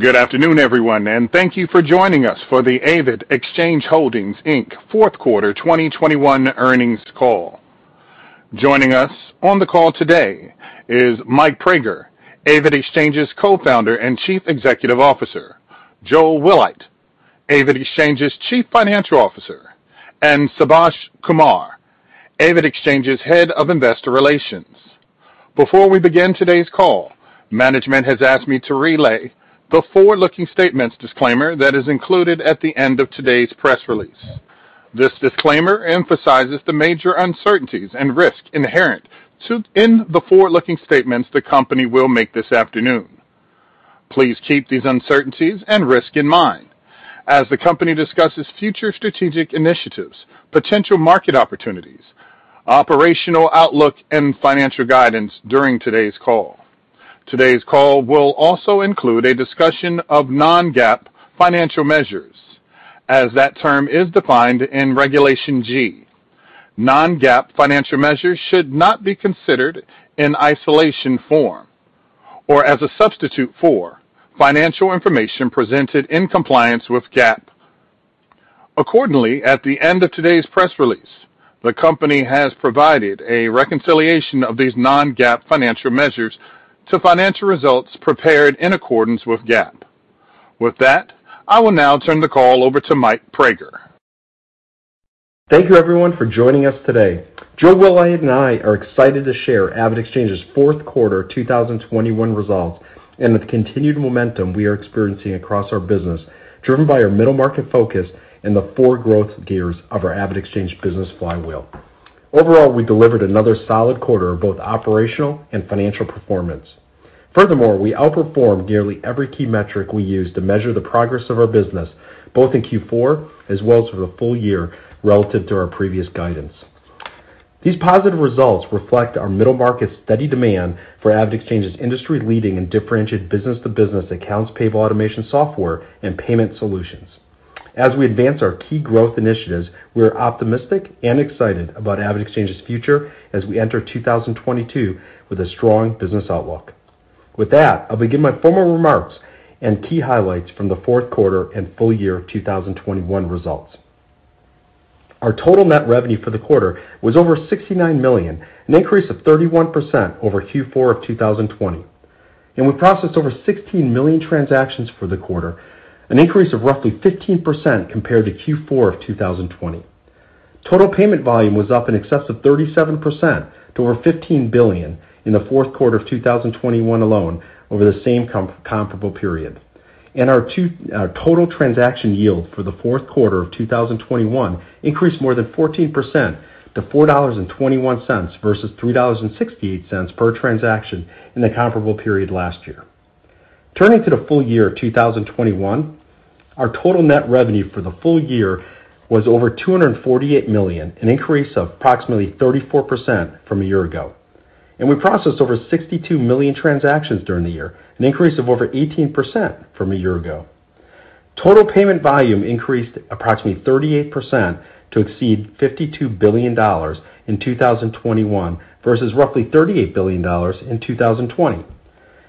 Good afternoon, everyone, and thank you for joining us for the AvidXchange Holdings, Inc. fourth quarter 2021 earnings call. Joining us on the call today is Mike Praeger, AvidXchange's Co-Founder and Chief Executive Officer, Joel Wilhite, AvidXchange's Chief Financial Officer, and Subhaash Kumar, AvidXchange's Head of Investor Relations. Before we begin today's call, management has asked me to relay the forward-looking statements disclaimer that is included at the end of today's press release. This disclaimer emphasizes the major uncertainties and risks inherent in the forward-looking statements the company will make this afternoon. Please keep these uncertainties and risk in mind as the company discusses future strategic initiatives, potential market opportunities, operational outlook, and financial guidance during today's call. Today's call will also include a discussion of non-GAAP financial measures. As that term is defined in Regulation G. Non-GAAP financial measures should not be considered in isolation or as a substitute for financial information presented in compliance with GAAP. Accordingly, at the end of today's press release, the company has provided a reconciliation of these non-GAAP financial measures to financial results prepared in accordance with GAAP. With that, I will now turn the call over to Mike Praeger. Thank you everyone for joining us today. Joel Wilhite and I are excited to share AvidXchange's fourth quarter 2021 results and the continued momentum we are experiencing across our business, driven by our middle market focus and the four growth gears of our AvidXchange business flywheel. Overall, we delivered another solid quarter of both operational and financial performance. Furthermore, we outperformed nearly every key metric we use to measure the progress of our business, both in Q4 as well as for the full year relative to our previous guidance. These positive results reflect our middle market's steady demand for AvidXchange's industry-leading and differentiated business-to-business accounts payable automation software and payment solutions. As we advance our key growth initiatives, we're optimistic and excited about AvidXchange's future as we enter 2022 with a strong business outlook. With that, I'll begin my formal remarks and key highlights from the fourth quarter and full year 2021 results. Our total net revenue for the quarter was over $69 million, an increase of 31% over Q4 2020. We processed over 16 million transactions for the quarter, an increase of roughly 15% compared to Q4 2020. Total payment volume was up in excess of 37% to over $15 billion in the fourth quarter of 2021 alone over the same comparable period. Our total transaction yield for the fourth quarter of 2021 increased more than 14% to $4.21 versus $3.68 per transaction in the comparable period last year. Turning to the full year of 2021, our total net revenue for the full year was over $248 million, an increase of approximately 34% from a year ago. We processed over 62 million transactions during the year, an increase of over 18% from a year ago. Total payment volume increased approximately 38% to exceed $52 billion in 2021 versus roughly $38 billion in 2020.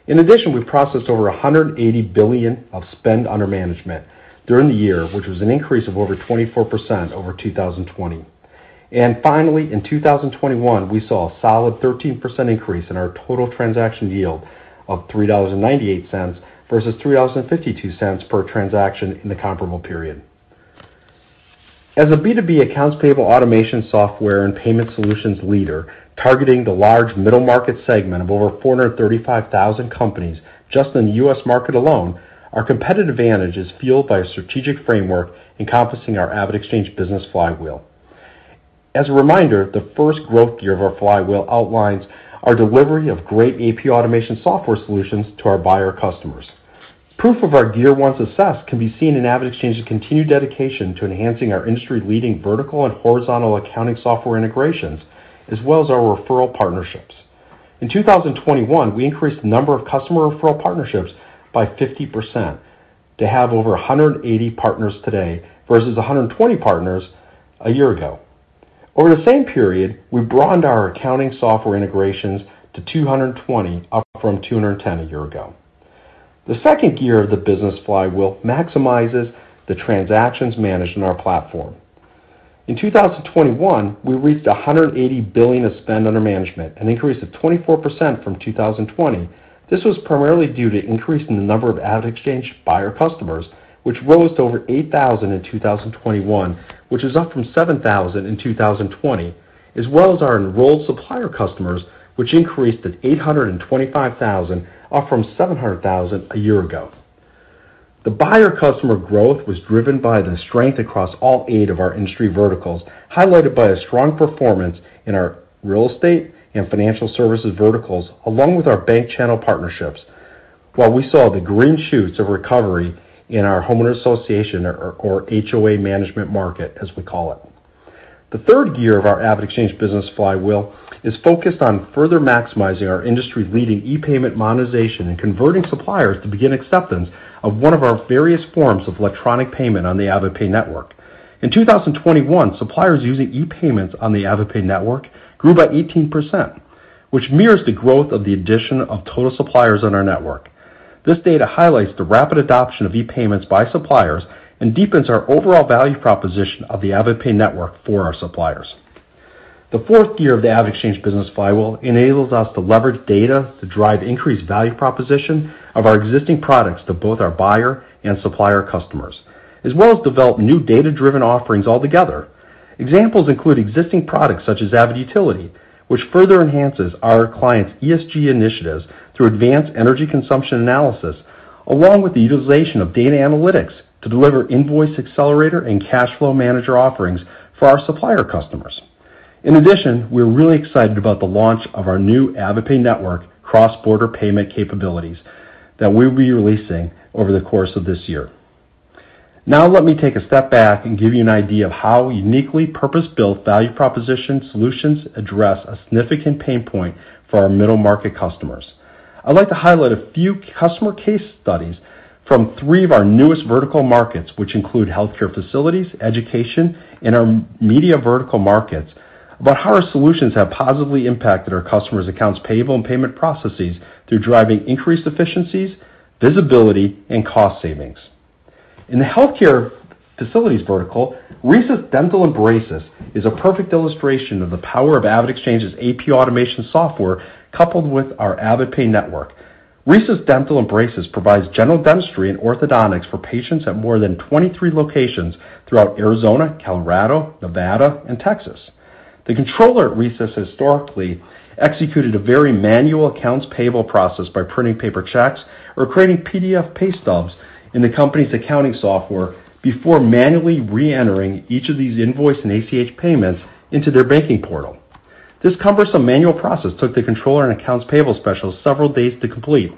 In addition, we processed over $180 billion of spend under management during the year, which was an increase of over 24% over 2020. Finally, in 2021, we saw a solid 13% increase in our total transaction yield of $3.98 versus $3.52 per transaction in the comparable period. As a B2B accounts payable automation software and payment solutions leader targeting the large middle market segment of over 435,000 companies just in the U.S. market alone, our competitive advantage is fueled by a strategic framework encompassing our AvidXchange business flywheel. As a reminder, the first growth gear of our flywheel outlines our delivery of great AP automation software solutions to our buyer customers. Proof of our Gear One success can be seen in AvidXchange's continued dedication to enhancing our industry-leading vertical and horizontal accounting software integrations, as well as our referral partnerships. In 2021, we increased the number of customer referral partnerships by 50% to have over 180 partners today versus 120 partners a year ago. Over the same period, we broadened our accounting software integrations to 220, up from 210 a year ago. The second gear of the business flywheel maximizes the transactions managed in our platform. In 2021, we reached $180 billion of spend under management, an increase of 24% from 2020. This was primarily due to an increase in the number of AvidXchange buyer customers, which rose to over 8,000 in 2021, which is up from 7,000 in 2020, as well as our enrolled supplier customers, which increased to 825,000, up from 700,000 a year ago. The buyer customer growth was driven by the strength across all eight of our industry verticals, highlighted by a strong performance in our real estate and financial services verticals, along with our bank channel partnerships, while we saw the green shoots of recovery in our homeowner association or HOA management market, as we call it. The third gear of our AvidXchange business flywheel is focused on further maximizing our industry-leading e-payments monetization and converting suppliers to begin acceptance of one of our various forms of electronic payment on the AvidPay Network. In 2021, suppliers using e-payments on the AvidPay Network grew by 18%, which mirrors the growth of the addition of total suppliers on our network. This data highlights the rapid adoption of e-payments by suppliers and deepens our overall value proposition of the AvidPay Network for our suppliers. The fourth gear of the AvidXchange business flywheel enables us to leverage data to drive increased value proposition of our existing products to both our buyer and supplier customers, as well as develop new data-driven offerings altogether. Examples include existing products such as AvidUtility, which further enhances our clients' ESG initiatives through advanced energy consumption analysis, along with the utilization of data analytics to deliver Invoice Accelerator and Cashflow Manager offerings for our supplier customers. In addition, we're really excited about the launch of our new AvidPay Network cross-border payment capabilities that we'll be releasing over the course of this year. Now let me take a step back and give you an idea of how uniquely purpose-built value proposition solutions address a significant pain point for our middle-market customers. I'd like to highlight a few customer case studies from three of our newest vertical markets, which include healthcare facilities, education, and our media vertical markets about how our solutions have positively impacted our customers' accounts payable and payment processes through driving increased efficiencies, visibility, and cost savings. In the healthcare facilities vertical, Risas Dental and Braces is a perfect illustration of the power of AvidXchange's AP automation software coupled with our AvidPay Network. Risas Dental and Braces provides general dentistry and orthodontics for patients at more than 23 locations throughout Arizona, Colorado, Nevada, and Texas. The controller at Risas historically executed a very manual accounts payable process by printing paper checks or creating PDF pay stubs in the company's accounting software before manually re-entering each of these invoice and ACH payments into their banking portal. This cumbersome manual process took the controller and accounts payable specialist several days to complete.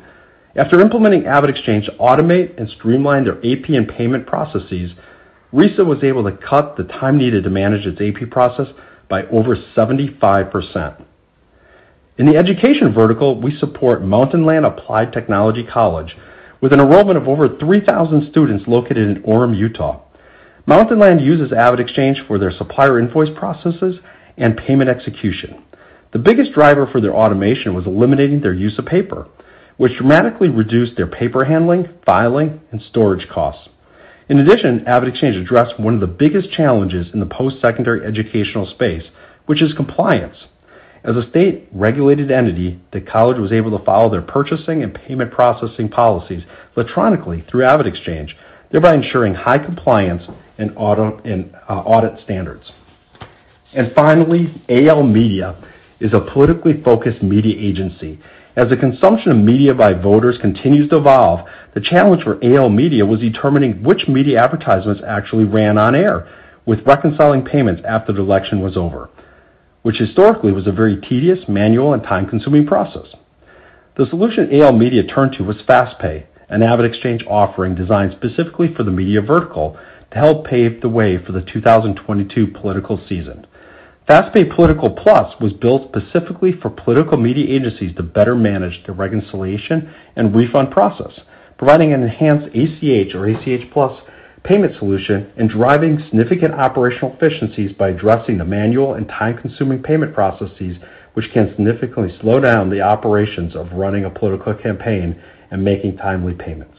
After implementing AvidXchange to automate and streamline their AP and payment processes, Risas was able to cut the time needed to manage its AP process by over 75%. In the education vertical, we support Mountainland Applied Technology College with an enrollment of over 3,000 students located in Orem, Utah. Mountainland uses AvidXchange for their supplier invoice processes and payment execution. The biggest driver for their automation was eliminating their use of paper, which dramatically reduced their paper handling, filing, and storage costs. In addition, AvidXchange addressed one of the biggest challenges in the post-secondary educational space, which is compliance. As a state-regulated entity, the college was able to follow their purchasing and payment processing policies electronically through AvidXchange, thereby ensuring high compliance and automation and audit standards. Finally, AL Media is a politically focused media agency. As the consumption of media by voters continues to evolve, the challenge for AL Media was determining which media advertisements actually ran on air and reconciling payments after the election was over, which historically was a very tedious, manual, and time-consuming process. The solution AL Media turned to was FastPay, an AvidXchange offering designed specifically for the media vertical to help pave the way for the 2022 political season. FastPay Political+ was built specifically for political media agencies to better manage the reconciliation and refund process, providing an enhanced ACH or ACH Plus payment solution and driving significant operational efficiencies by addressing the manual and time-consuming payment processes, which can significantly slow down the operations of running a political campaign and making timely payments.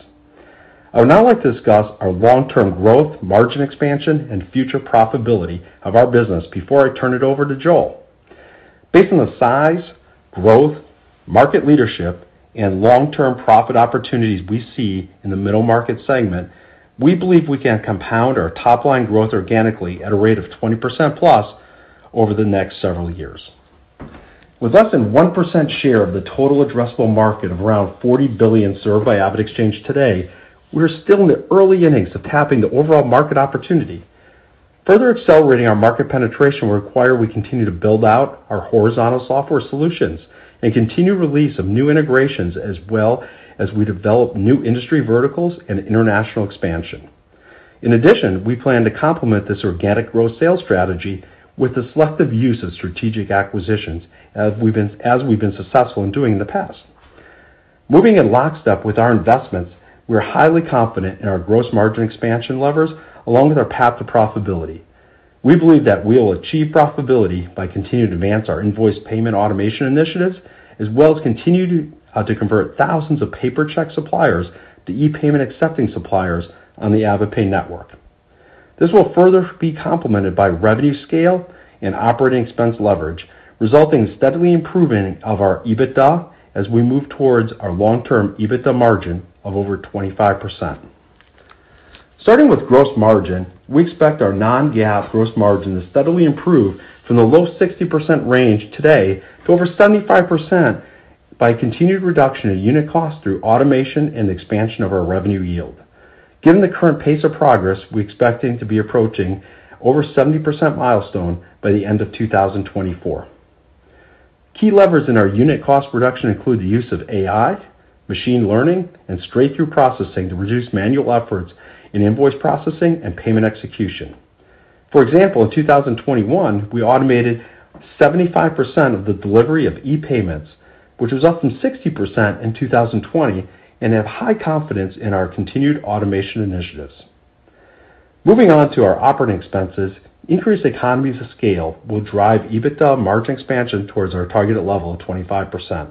I would now like to discuss our long-term growth, margin expansion, and future profitability of our business before I turn it over to Joel. Based on the size, growth, market leadership, and long-term profit opportunities we see in the middle market segment, we believe we can compound our top-line growth organically at a rate of 20%+ over the next several years. With less than 1% share of the total addressable market of around $40 billion served by AvidXchange today, we're still in the early innings of tapping the overall market opportunity. Further accelerating our market penetration will require we continue to build out our horizontal software solutions and continue release of new integrations as well as we develop new industry verticals and international expansion. In addition, we plan to complement this organic growth sales strategy with the selective use of strategic acquisitions as we've been successful in doing in the past. Moving in lockstep with our investments, we're highly confident in our gross margin expansion levers along with our path to profitability. We believe that we'll achieve profitability by continuing to advance our invoice payment automation initiatives, as well as continue to convert thousands of paper check suppliers to ePayment-accepting suppliers on the AvidPay Network. This will further be complemented by revenue scale and operating expense leverage, resulting in steadily improving of our EBITDA as we move towards our long-term EBITDA margin of over 25%. Starting with gross margin, we expect our non-GAAP gross margin to steadily improve from the low 60% range today to over 75% by continued reduction in unit costs through automation and expansion of our revenue yield. Given the current pace of progress, we're expecting to be approaching over 70% milestone by the end of 2024. Key levers in our unit cost reduction include the use of AI, machine learning, and straight-through processing to reduce manual efforts in invoice processing and payment execution. For example, in 2021, we automated 75% of the delivery of e-payments, which was up from 60% in 2020, and have high confidence in our continued automation initiatives. Moving on to our operating expenses, increased economies of scale will drive EBITDA margin expansion towards our targeted level of 25%.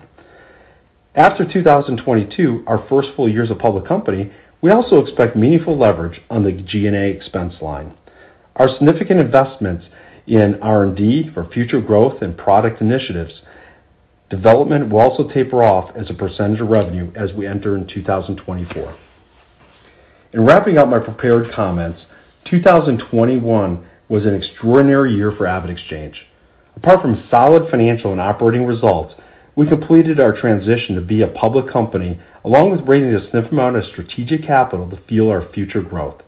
After 2022, our first full year as a public company, we also expect meaningful leverage on the G&A expense line. Our significant investments in R&D for future growth and product initiatives development will also taper off as a percentage of revenue as we enter 2024. In wrapping up my prepared comments, 2021 was an extraordinary year for AvidXchange. Apart from solid financial and operating results, we completed our transition to be a public company, along with raising a significant amount of strategic capital to fuel our future growth.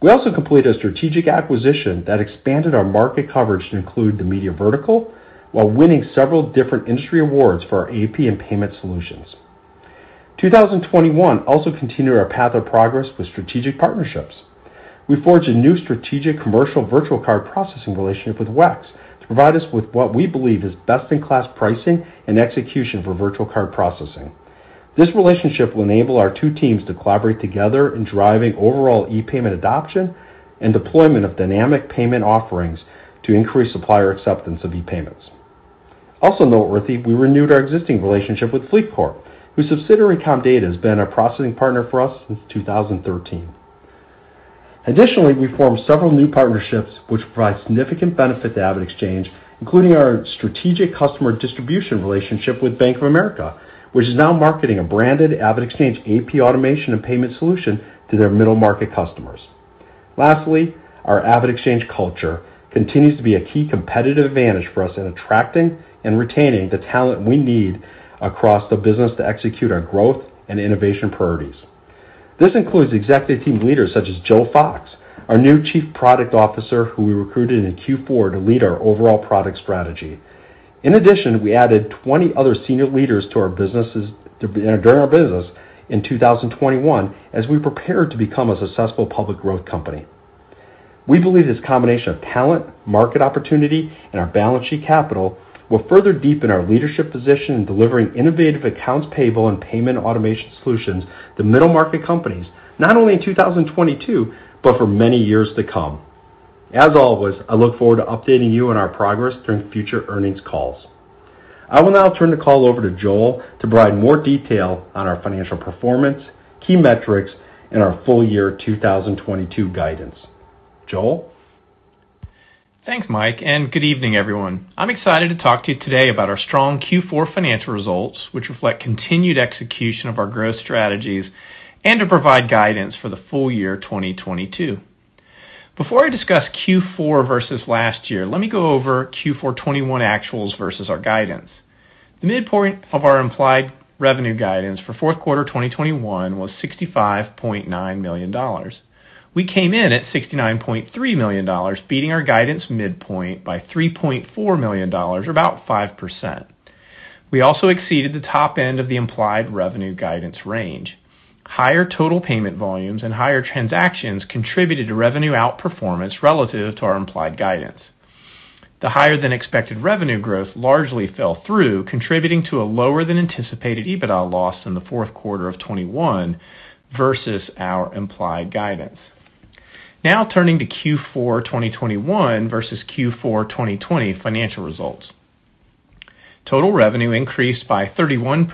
We also completed a strategic acquisition that expanded our market coverage to include the media vertical, while winning several different industry awards for our AP and payment solutions. 2021 also continued our path of progress with strategic partnerships. We forged a new strategic commercial virtual card processing relationship with WEX to provide us with what we believe is best-in-class pricing and execution for virtual card processing. This relationship will enable our two teams to collaborate together in driving overall e-payment adoption and deployment of dynamic payment offerings to increase supplier acceptance of e-payments. Also noteworthy, we renewed our existing relationship with FLEETCOR, whose subsidiary Comdata has been a processing partner for us since 2013. Additionally, we formed several new partnerships which provide significant benefit to AvidXchange, including our strategic customer distribution relationship with Bank of America, which is now marketing a branded AvidXchange AP automation and payment solution to their middle-market customers. Lastly, our AvidXchange culture continues to be a key competitive advantage for us in attracting and retaining the talent we need across the business to execute our growth and innovation priorities. This includes executive team leaders such as Joseph Fox, our new Chief Product Officer, who we recruited in Q4 to lead our overall product strategy. In addition, we added 20 other senior leaders to our businesses, during our business in 2021 as we prepare to become a successful public growth company. We believe this combination of talent, market opportunity, and our balance sheet capital will further deepen our leadership position in delivering innovative accounts payable and payment automation solutions to middle market companies, not only in 2022, but for many years to come. As always, I look forward to updating you on our progress during future earnings calls. I will now turn the call over to Joel to provide more detail on our financial performance, key metrics, and our full year 2022 guidance. Joel? Thanks, Mike, and good evening, everyone. I'm excited to talk to you today about our strong Q4 financial results, which reflect continued execution of our growth strategies, and to provide guidance for the full year 2022. Before I discuss Q4 versus last year, let me go over Q4 2021 actuals versus our guidance. The midpoint of our implied revenue guidance for fourth quarter 2021 was $65.9 million. We came in at $69.3 million, beating our guidance midpoint by $3.4 million, or about 5%. We also exceeded the top end of the implied revenue guidance range. Higher total payment volumes and higher transactions contributed to revenue outperformance relative to our implied guidance. The higher than expected revenue growth largely fell through, contributing to a lower than anticipated EBITDA loss in the fourth quarter of 2021 versus our implied guidance. Now turning to Q4 2021 versus Q4 2020 financial results. Total revenue increased by 31%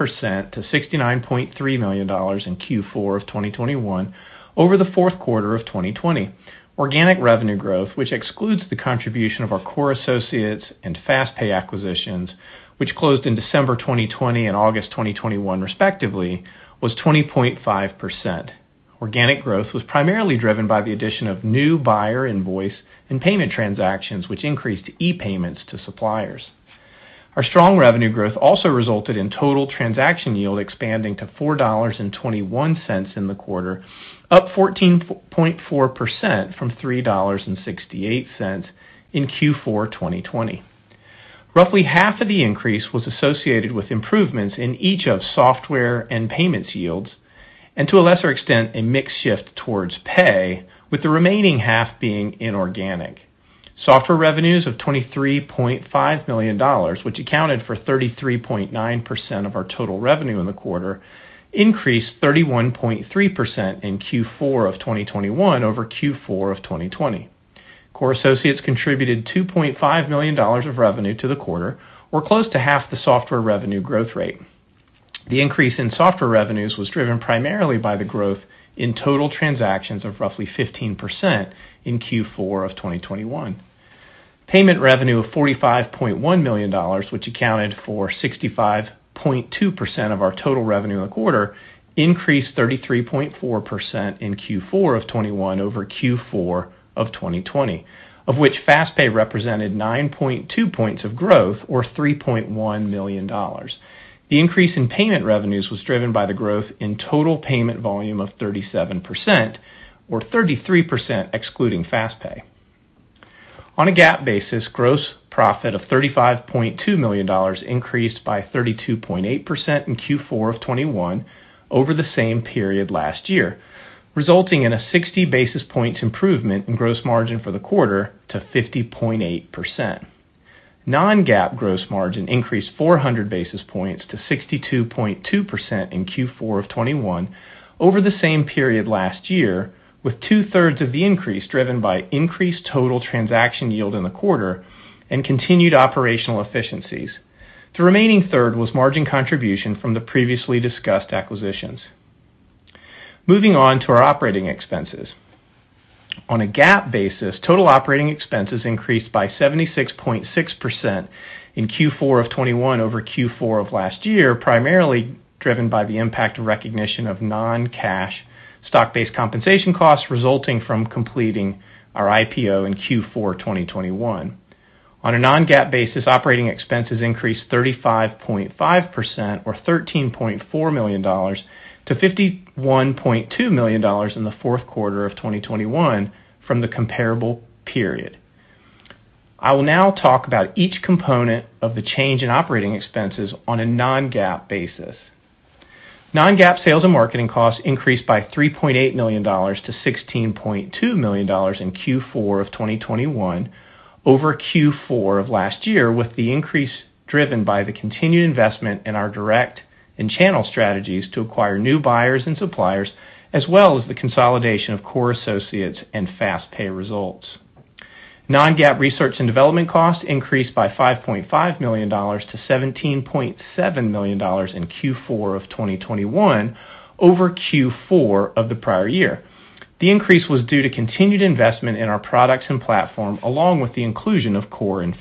to $69.3 million in Q4 of 2021 over the fourth quarter of 2020. Organic revenue growth, which excludes the contribution of our Core Associates and FastPay acquisitions, which closed in December 2020 and August 2021 respectively, was 20.5%. Organic growth was primarily driven by the addition of new buyer invoice and payment transactions, which increased e-payments to suppliers. Our strong revenue growth also resulted in total transaction yield expanding to $4.21 in the quarter, up 14.4% from $3.68 in Q4 2020. Roughly 1/2 of the increase was associated with improvements in each of software and payments yields, and to a lesser extent, a mix shift towards pay, with the remaining 1/2 being inorganic. Software revenues of $23.5 million, which accounted for 33.9% of our total revenue in the quarter, increased 31.3% in Q4 2021 over Q4 2020. Core Associates contributed $2.5 million of revenue to the quarter, or close to 1/2 the software revenue growth rate. The increase in software revenues was driven primarily by the growth in total transactions of roughly 15% in Q4 2021. Payment revenue of $45.1 million, which accounted for 65.2% of our total revenue in the quarter, increased 33.4% in Q4 of 2021 over Q4 of 2020, of which FastPay represented 9.2 points of growth or $3.1 million. The increase in payment revenues was driven by the growth in total payment volume of 37% or 33% excluding FastPay. On a GAAP basis, gross profit of $35.2 million increased by 32.8% in Q4 of 2021 over the same period last year, resulting in a 60 basis points improvement in gross margin for the quarter to 50.8%. Non-GAAP gross margin increased 400 basis points to 62.2% in Q4 of 2021 over the same period last year, with 2/3 of the increase driven by increased total transaction yield in the quarter and continued operational efficiencies. The remaining third was margin contribution from the previously discussed acquisitions. Moving on to our operating expenses. On a GAAP basis, total operating expenses increased by 76.6% in Q4 of 2021 over Q4 of last year, primarily driven by the impact of recognition of non-cash stock-based compensation costs resulting from completing our IPO in Q4 2021. On a non-GAAP basis, operating expenses increased 35.5% or $13.4 million to $51.2 million in the fourth quarter of 2021 from the comparable period. I will now talk about each component of the change in operating expenses on a non-GAAP basis. Non-GAAP sales and marketing costs increased by $3.8 million to $16.2 million in Q4 of 2021 over Q4 of last year, with the increase driven by the continued investment in our direct and channel strategies to acquire new buyers and suppliers, as well as the consolidation of Core Associates and FastPay results. Non-GAAP research and development costs increased by $5.5 million to $17.7 million in Q4 of 2021 over Q4 of the prior year. The increase was due to continued investment in our products and platform, along with the inclusion of Core and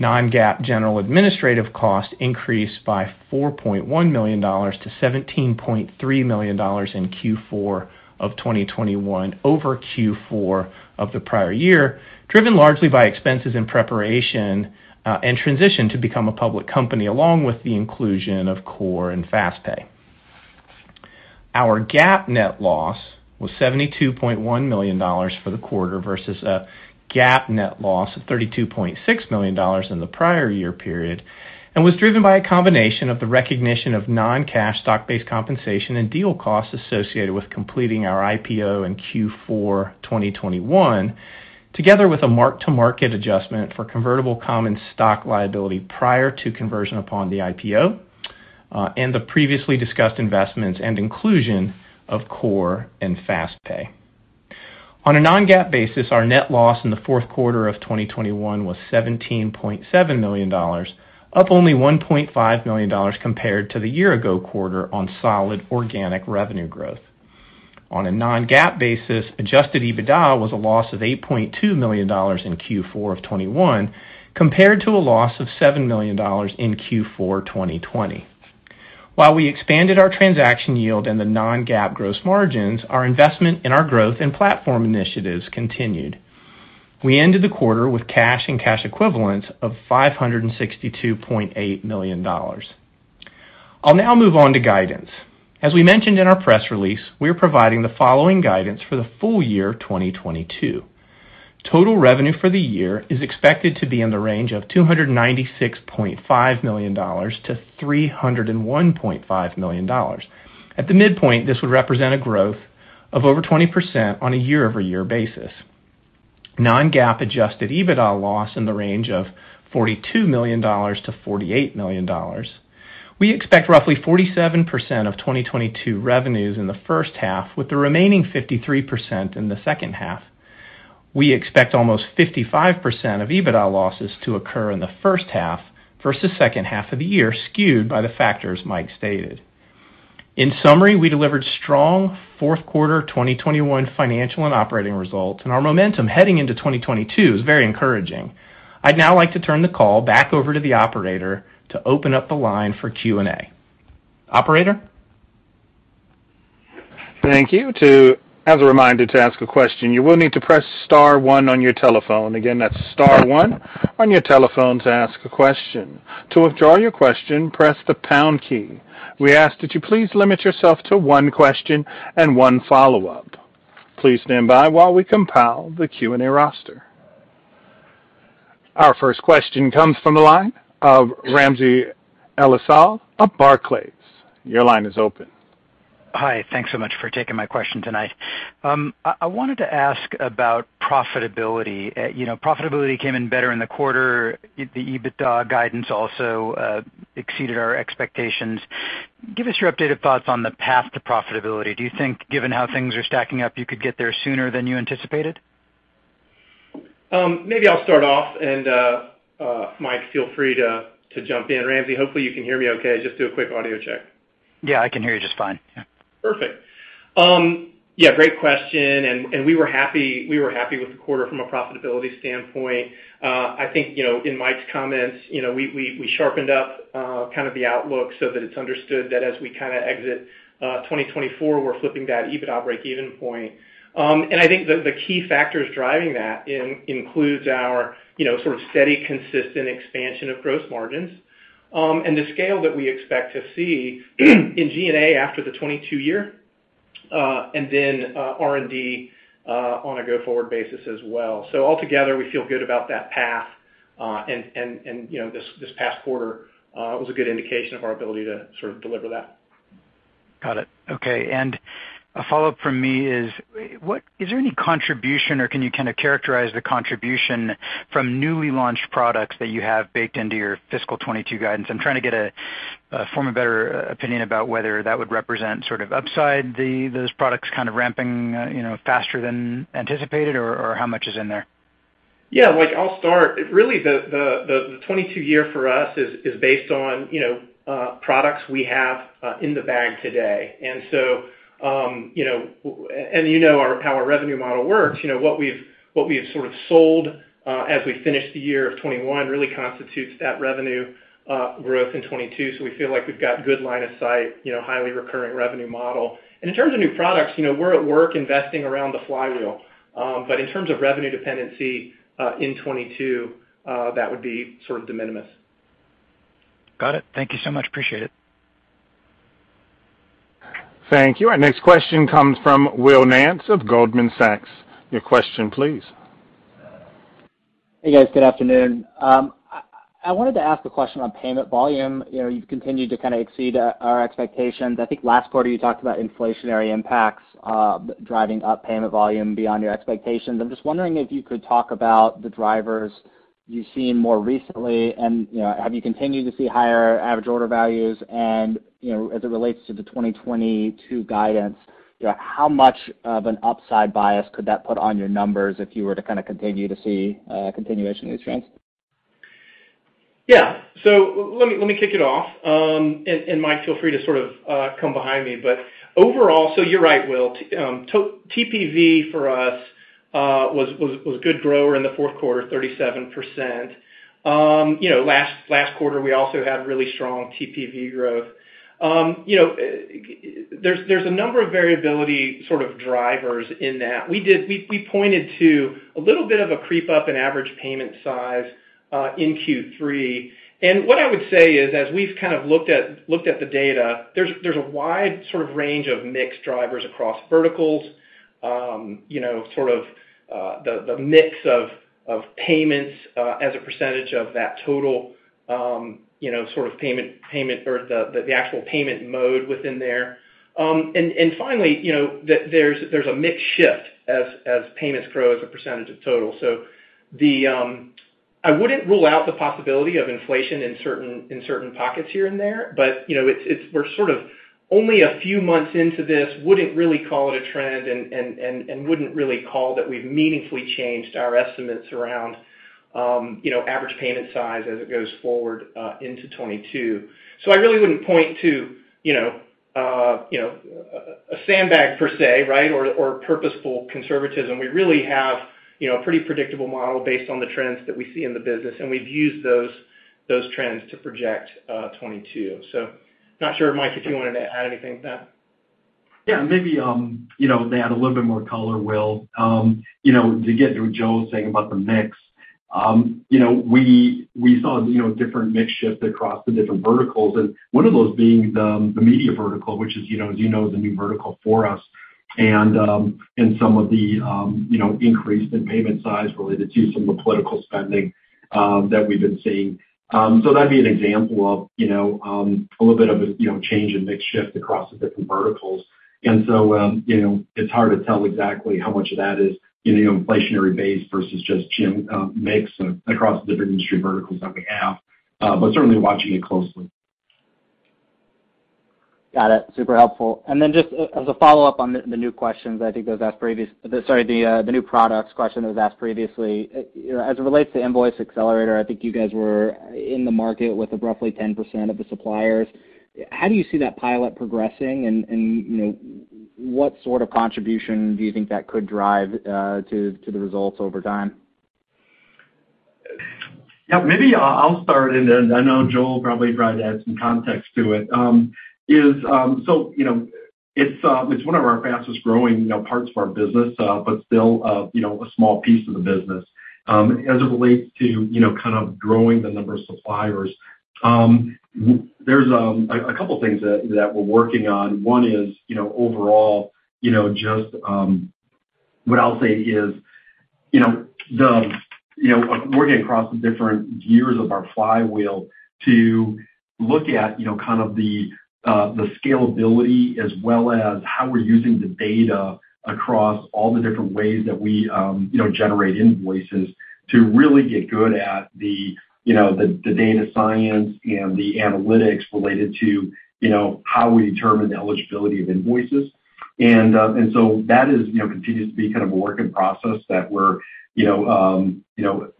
FastPay. Non-GAAP general administrative costs increased by $4.1 million to $17.3 million in Q4 of 2021 over Q4 of the prior year, driven largely by expenses in preparation, and transition to become a public company, along with the inclusion of Core and FastPay. Our GAAP net loss was $72.1 million for the quarter versus a GAAP net loss of $32.6 million in the prior year period and was driven by a combination of the recognition of non-cash stock-based compensation and deal costs associated with completing our IPO in Q4 2021, together with a mark-to-market adjustment for convertible common stock liability prior to conversion upon the IPO, and the previously discussed investments and inclusion of Core and FastPay. On a non-GAAP basis, our net loss in the fourth quarter of 2021 was $17.7 million, up only $1.5 million compared to the year ago quarter on solid organic revenue growth. On a non-GAAP basis, adjusted EBITDA was a loss of $8.2 million in Q4 2021 compared to a loss of $7 million in Q4 2020. While we expanded our transaction yield and the non-GAAP gross margins, our investment in our growth and platform initiatives continued. We ended the quarter with cash and cash equivalents of $562.8 million. I'll now move on to guidance. As we mentioned in our press release, we are providing the following guidance for the full year 2022. Total revenue for the year is expected to be in the range of $296.5 million-$301.5 million. At the midpoint, this would represent a growth of over 20% on a year-over-year basis. non-GAAP adjusted EBITDA loss in the range of $42 million-$48 million. We expect roughly 47% of 2022 revenues in the first half, with the remaining 53% in the second half. We expect almost 55% of EBITDA losses to occur in the first half versus second half of the year, skewed by the factors Mike stated. In summary, we delivered strong fourth quarter 2021 financial and operating results, and our momentum heading into 2022 is very encouraging. I'd now like to turn the call back over to the Operator to open up the line for Q&A. Operator? Thank you. As a reminder, to ask a question, you will need to press star one on your telephone. Again, that's star one on your telephone to ask a question. To withdraw your question, press the pound key. We ask that you please limit yourself to one question and one follow-up. Please stand by while we compile the Q&A roster. Our first question comes from the line of Ramsey El-Assal of Barclays. Your line is open. Hi. Thanks so much for taking my question tonight. I wanted to ask about profitability. You know, profitability came in better in the quarter. The EBITDA guidance also exceeded our expectations. Give us your updated thoughts on the path to profitability. Do you think, given how things are stacking up, you could get there sooner than you anticipated? Maybe I'll start off and, Mike, feel free to jump in. Ramsey, hopefully you can hear me okay. Just do a quick audio check. Yeah, I can hear you just fine. Yeah. Perfect. Yeah, great question, and we were happy with the quarter from a profitability standpoint. I think, you know, in Mike's comments, you know, we sharpened up kind of the outlook so that it's understood that as we kinda exit 2024, we're flipping that EBITDA break-even point. I think the key factors driving that includes our, you know, sort of steady, consistent expansion of gross margins, and the scale that we expect to see in G&A after 2022 and then R&D on a go-forward basis as well. Altogether, we feel good about that path. You know, this past quarter was a good indication of our ability to sort of deliver that. Got it. Okay. A follow-up from me is, what is there any contribution or can you kind of characterize the contribution from newly launched products that you have baked into your fiscal 2022 guidance? I'm trying to get a form a better opinion about whether that would represent sort of upside, those products kind of ramping, you know, faster than anticipated or how much is in there? Yeah. Like I'll start. Really the 2022 year for us is based on, you know, products we have in the bag today. You know how our revenue model works. You know, what we have sort of sold as we finish the year of 2021 really constitutes that revenue growth in 2022. We feel like we've got good line of sight, you know, highly recurring revenue model. In terms of new products, you know, we're hard at work investing around the flywheel. In terms of revenue dependency in 2022, that would be sort of de minimis. Got it. Thank you so much. Appreciate it. Thank you. Our next question comes from Will Nance of Goldman Sachs. Your question please. Hey, guys. Good afternoon. I wanted to ask a question on payment volume. You know, you've continued to kind of exceed our expectations. I think last quarter you talked about inflationary impacts driving up payment volume beyond your expectations. I'm just wondering if you could talk about the drivers you've seen more recently. You know, have you continued to see higher average order values? You know, as it relates to the 2022 guidance, you know, how much of an upside bias could that put on your numbers if you were to kind of continue to see continuation of these trends? Yeah. Let me kick it off. Mike, feel free to sort of come behind me. Overall, you're right, Will. TPV for us was a good grower in the fourth quarter, 37%. You know, last quarter we also had really strong TPV growth. You know, there's a number of variability sort of drivers in that. We pointed to a little bit of a creep up in average payment size in Q3. What I would say is, as we've kind of looked at the data, there's a wide sort of range of mix drivers across verticals. You know, sort of, the mix of payments as a percentage of that total, you know, sort of payment or the actual payment mode within there. Finally, you know, there's a mix shift as payments grow as a percentage of total. I wouldn't rule out the possibility of inflation in certain pockets here and there. You know, it's. We're sort of only a few months into this, wouldn't really call it a trend and wouldn't really call that we've meaningfully changed our estimates around, you know, average payment size as it goes forward into 2022. I really wouldn't point to, you know, you know, a sandbag per se, right? Or purposeful conservatism. We really have, you know, a pretty predictable model based on the trends that we see in the business, and we've used those trends to project 2022. Not sure, Mike, if you wanted to add anything to that. Yeah. Maybe you know, to add a little bit more color, Will. You know, to get to what Joel was saying about the mix, you know, we saw you know, different mix shift across the different verticals. One of those being the media vertical, which is, you know, as you know, the new vertical for us. Some of the, you know, increase in payment size related to some of the political spending that we've been seeing. That'd be an example of, you know, a little bit of a, you know, change in mix shift across the different verticals. It's hard to tell exactly how much of that is, you know, inflationary based versus just general mix across the different industry verticals that we have. But certainly watching it closely. Got it. Super helpful. Just as a follow-up on the new products question that was asked previously. You know, as it relates to Invoice Accelerator, I think you guys were in the market with roughly 10% of the suppliers. How do you see that pilot progressing? You know, what sort of contribution do you think that could drive to the results over time? Yeah, maybe I'll start, and then I know Joel will probably try to add some context to it. You know, it's one of our fastest growing parts of our business, but still, you know, a small piece of the business. As it relates to, you know, kind of growing the number of suppliers, there's a couple things that we're working on. One is, you know, overall, you know, just what I'll say is, you know, the, you know, working across the different gears of our flywheel to look at, you know, kind of the scalability as well as how we're using the data across all the different ways that we, you know, generate invoices to really get good at the, you know, the data science and the analytics related to, you know, how we determine the eligibility of invoices. That is, you know, continues to be kind of a work in process that we're, you know,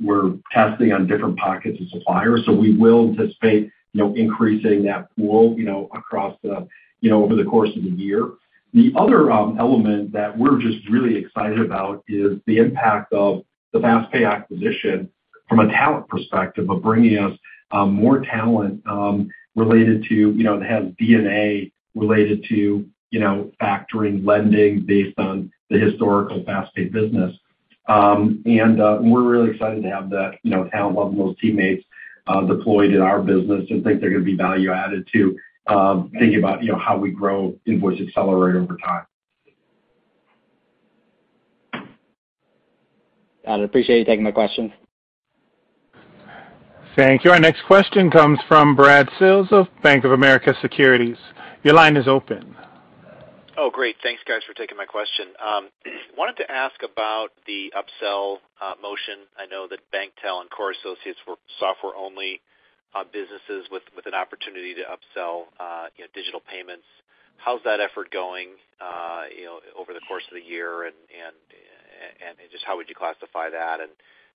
testing on different pockets of suppliers. We will anticipate, you know, increasing that pool, you know, across the, you know, over the course of the year. The other element that we're just really excited about is the impact of the FastPay acquisition from a talent perspective of bringing us more talent related to, you know, that has DNA related to, you know, factoring lending based on the historical FastPay business. We're really excited to have that, you know, talent level and those teammates deployed in our business and think they're gonna be value added to thinking about, you know, how we grow Invoice Accelerator over time. I'd appreciate you taking my question. Thank you. Our next question comes from Brad Sills of Bank of America Securities. Your line is open. Oh, great. Thanks, guys, for taking my question. I wanted to ask about the upsell motion. I know that BankTEL and Core Associates were software-only businesses with an opportunity to upsell, you know, digital payments. How's that effort going, you know, over the course of the year and just how would you classify that and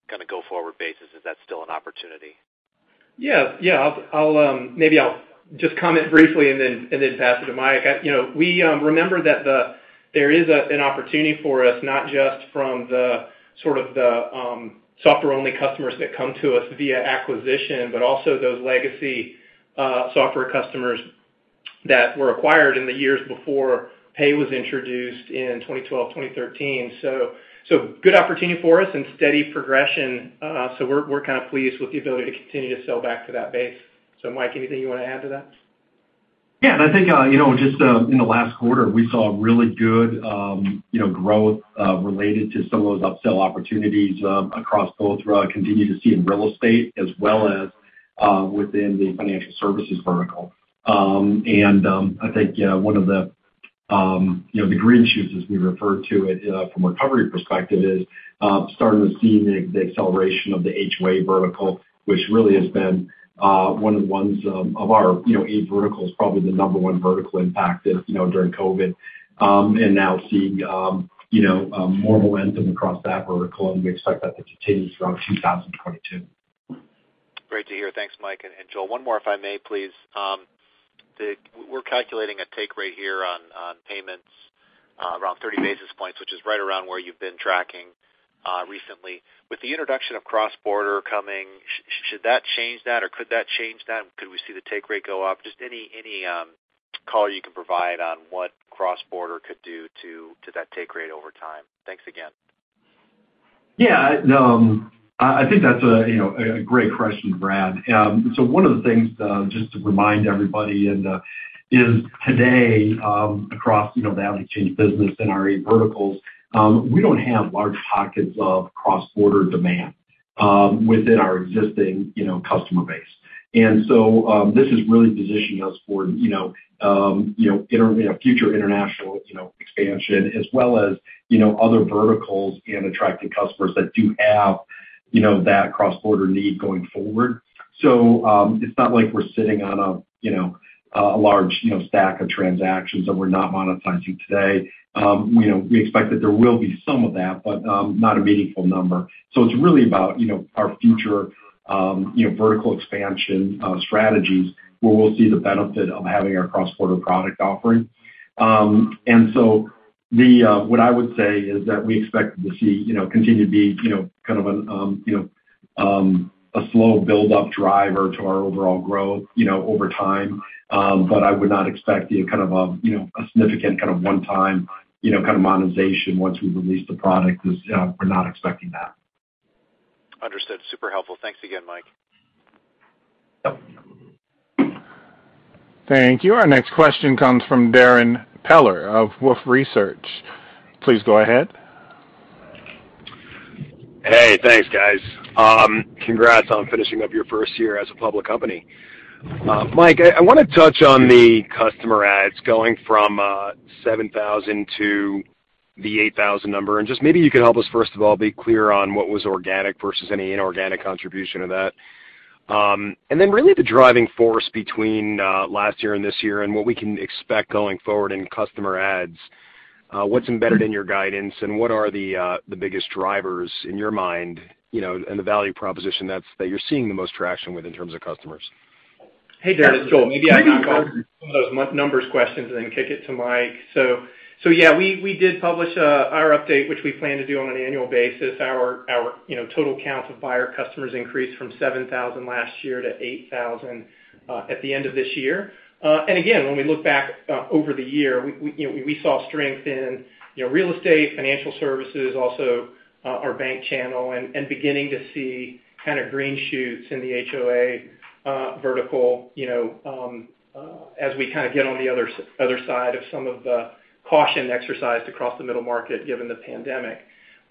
kind of go-forward basis, is that still an opportunity? I'll maybe just comment briefly and then pass it to Mike. You know, we remember that there is an opportunity for us, not just from sort of the software-only customers that come to us via acquisition, but also those legacy software customers that were acquired in the years before Pay was introduced in 2012, 2013. Good opportunity for us and steady progression. We're kind of pleased with the ability to continue to sell back to that base. Mike, anything you wanna add to that? Yeah. I think, you know, just in the last quarter, we saw really good, you know, growth related to some of those upsell opportunities across both continue to see in real estate as well as within the financial services vertical. I think one of the, you know, the green shoots, as we refer to it from a recovery perspective is starting to see the acceleration of the HOA vertical, which really has been one of the ones of our, you know, eight verticals, probably the number one vertical impacted, you know, during COVID. Now seeing, you know, more momentum across that vertical, and we expect that to continue throughout 2022. Great to hear. Thanks, Mike and Joel. One more if I may, please. We're calculating a take rate here on payments around 30 basis points, which is right around where you've been tracking recently. With the introduction of cross-border coming, should that change that, or could that change that? Could we see the take rate go up? Just any color you can provide on what cross-border could do to that take rate over time. Thanks again. Yeah. No, I think that's a, you know, a great question, Brad. One of the things, just to remind everybody and is today across, you know, the AvidXchange business in our eight verticals, we don't have large pockets of cross-border demand within our existing, you know, customer base. This is really positioning us for, you know, future international, you know, expansion as well as, you know, other verticals and attracting customers that do have, you know, that cross-border need going forward. It's not like we're sitting on a, you know, a large, you know, stack of transactions that we're not monetizing today. You know, we expect that there will be some of that, but not a meaningful number. It's really about, you know, our future, you know, vertical expansion strategies, where we'll see the benefit of having our cross-border product offering. What I would say is that we expect to see, you know, continue to be, you know, kind of, a slow build-up driver to our overall growth, you know, over time. But I would not expect the kind of, you know, a significant kind of one-time, you know, kind of monetization once we release the product. 'Cause, yeah, we're not expecting that. Understood. Super helpful. Thanks again, Mike. Thank you. Our next question comes from Darrin Peller of Wolfe Research. Please go ahead. Hey, thanks, guys. Congrats on finishing up your first year as a public company. Mike, I wanna touch on the customer adds going from 7,000 to the 8,000 number, and just maybe you could help us, first of all, be clear on what was organic versus any inorganic contribution of that. Really the driving force between last year and this year and what we can expect going forward in customer adds. What's embedded in your guidance and what are the biggest drivers in your mind, you know, and the value proposition that's that you're seeing the most traction with in terms of customers? Hey, Darrin, it's Joel. Maybe I can take some of those new numbers questions and then kick it to Mike. Yeah, we did publish our update, which we plan to do on an annual basis. Our total count of buyer customers increased from 7,000 last year to 8,000 at the end of this year. Again, when we look back over the year, we saw strength in real estate, financial services, also our bank channel and beginning to see kind of green shoots in the HOA vertical as we kinda get on the other side of some of the caution exercised across the middle market given the pandemic.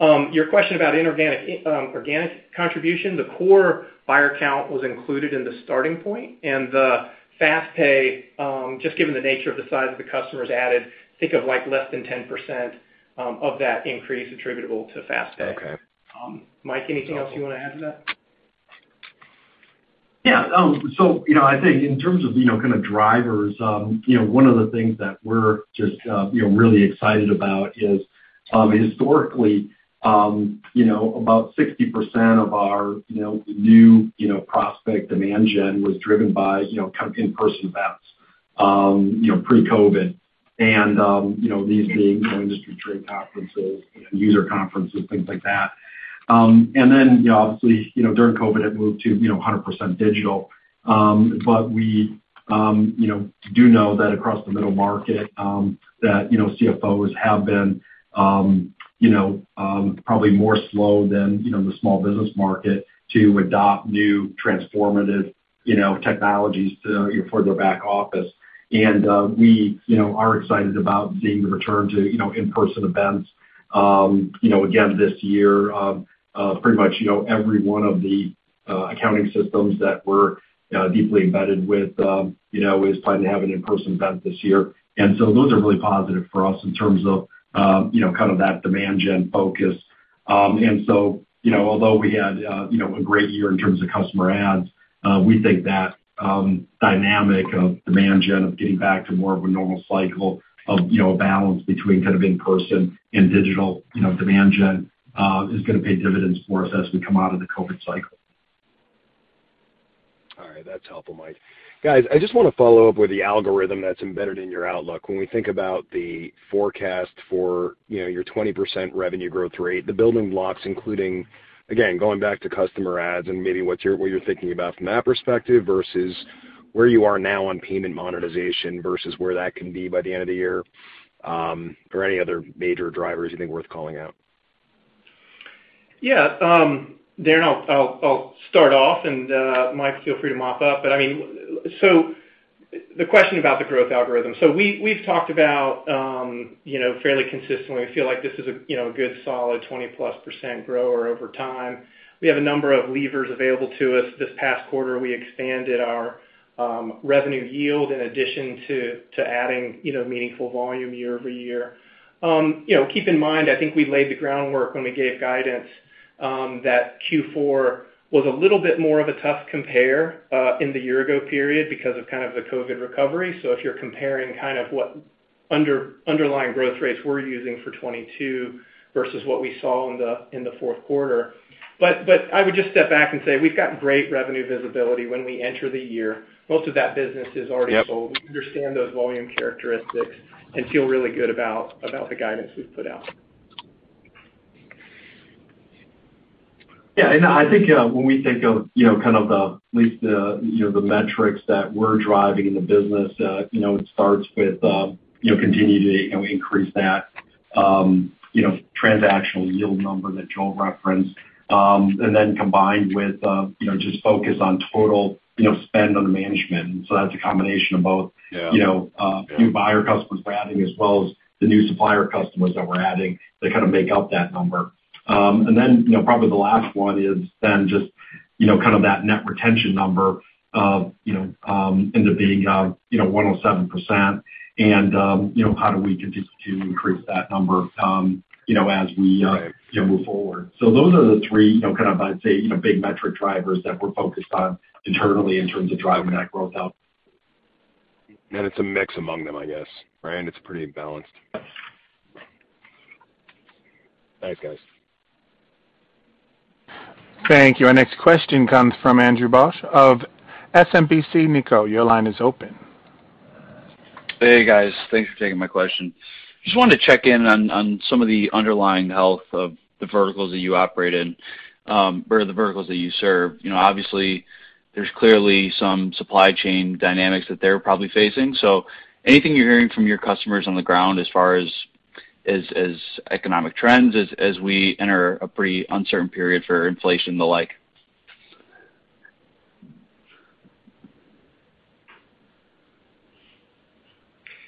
Your question about inorganic, organic contribution, the core buyer count was included in the starting point, and the FastPay, just given the nature of the size of the customers added, think of, like, less than 10% of that increase attributable to FastPay. Okay. Mike, anything else you wanna add to that? Yeah. So, you know, I think in terms of, you know, kind of drivers, you know, one of the things that we're just, you know, really excited about is, historically, you know, about 60% of our, you know, new, you know, prospect demand gen was driven by, you know, kind of in-person events, you know, pre-COVID. You know, obviously, you know, during COVID, it moved to, you know, 100% digital. We do know that across the middle market, that, you know, CFOs have been, you know, probably more slow than, you know, the small business market to adopt new transformative, you know, technologies to, you know, for their back office. We are excited about seeing the return to in-person events again this year. Pretty much every one of the accounting systems that were deeply embedded with is planning to have an in-person event this year. Those are really positive for us in terms of that demand gen focus. Although we had a great year in terms of customer adds, we think that dynamic of demand gen of getting back to more of a normal cycle of a balance between kind of in-person and digital demand gen is gonna pay dividends for us as we come out of the COVID cycle. All right. That's helpful, Mike. Guys, I just wanna follow up with the algorithm that's embedded in your outlook. When we think about the forecast for, you know, your 20% revenue growth rate, the building blocks including, again, going back to customer adds and maybe what you're thinking about from that perspective versus where you are now on payment monetization versus where that can be by the end of the year, or any other major drivers you think worth calling out. Yeah. Darrin, I'll start off, and Mike, feel free to mop up. I mean, the question about the growth algorithm. We've talked about, you know, fairly consistently, we feel like this is a, you know, a good solid 20%+ grower over time. We have a number of levers available to us. This past quarter, we expanded our revenue yield in addition to adding, you know, meaningful volume year-over-year. You know, keep in mind, I think we laid the groundwork when we gave guidance, that Q4 was a little bit more of a tough compare in the year ago period because of kind of the COVID recovery. If you're comparing kind of what underlying growth rates we're using for 2022 versus what we saw in the fourth quarter. I would just step back and say we've got great revenue visibility when we enter the year. Most of that business is already sold. Yep. We understand those volume characteristics and feel really good about the guidance we've put out. I think when we think of you know kind of the at least the you know the metrics that we're driving in the business it starts with you know continue to you know increase that you know transaction yield number that Joel referenced. Then combined with you know just focus on total spend under management. That's a combination of both- Yeah. You know, new buyer customers we're adding as well as the new supplier customers that we're adding that kind of make up that number. Then, you know, probably the last one is then just, you know, kind of that net retention number of, you know, end up being, you know, 107%. You know, how do we continue to increase that number, you know, as we, you know, move forward. Those are the three, you know, kind of, I'd say, you know, big metric drivers that we're focused on internally in terms of driving that growth out. It's a mix among them, I guess, right? It's pretty balanced. Thanks, guys. Thank you. Our next question comes from Andrew Bauch of SMBC Nikko. Your line is open. Hey, guys. Thanks for taking my question. Just wanted to check in on some of the underlying health of the verticals that you operate in, or the verticals that you serve. You know, obviously, there's clearly some supply chain dynamics that they're probably facing. Anything you're hearing from your customers on the ground as far as economic trends as we enter a pretty uncertain period for inflation and the like?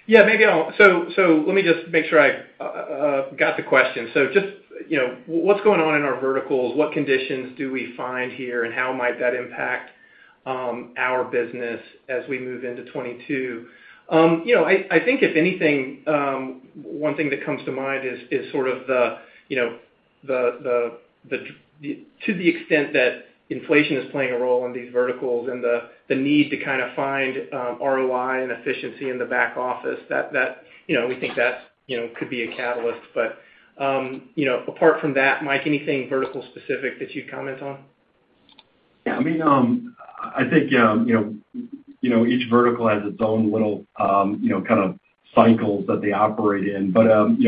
Let me just make sure I got the question. Just, you know, what's going on in our verticals, what conditions do we find here, and how might that impact our business as we move into 2022? You know, I think if anything, one thing that comes to mind is sort of the extent that inflation is playing a role in these verticals and the need to kind of find ROI and efficiency in the back office, that we think could be a catalyst. You know, apart from that, Mike, anything vertical specific that you'd comment on? Yeah. I mean, I think, you know, each vertical has its own little, you know, kind of cycles that they operate in. You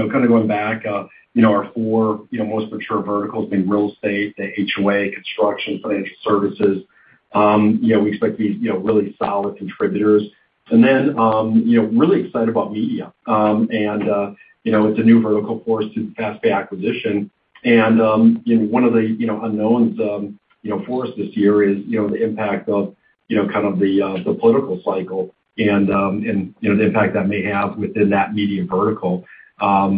know, kind of going back, you know, our four most mature verticals being real estate, the HOA, construction, financial services, you know, we expect these, you know, really solid contributors. You know, really excited about media. It's a new vertical for us through the FastPay acquisition. You know, one of the unknowns, you know, for us this year is, you know, the impact of, you know, kind of the political cycle and, you know, the impact that may have within that media vertical,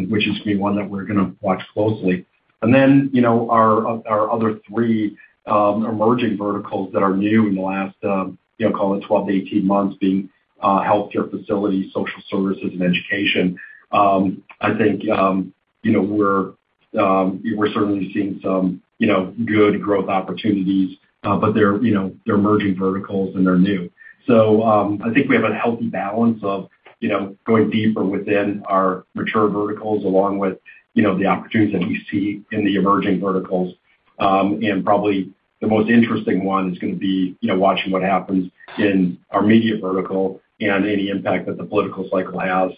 which is gonna be one that we're gonna watch closely. You know, our other three emerging verticals that are new in the last, you know, call it 12 months-18 months, being healthcare facilities, social services, and education, I think, you know, we're certainly seeing some, you know, good growth opportunities, but they're, you know, they're emerging verticals, and they're new. I think we have a healthy balance of, you know, going deeper within our mature verticals along with, you know, the opportunities that we see in the emerging verticals. Probably the most interesting one is gonna be, you know, watching what happens in our media vertical and any impact that the political cycle has,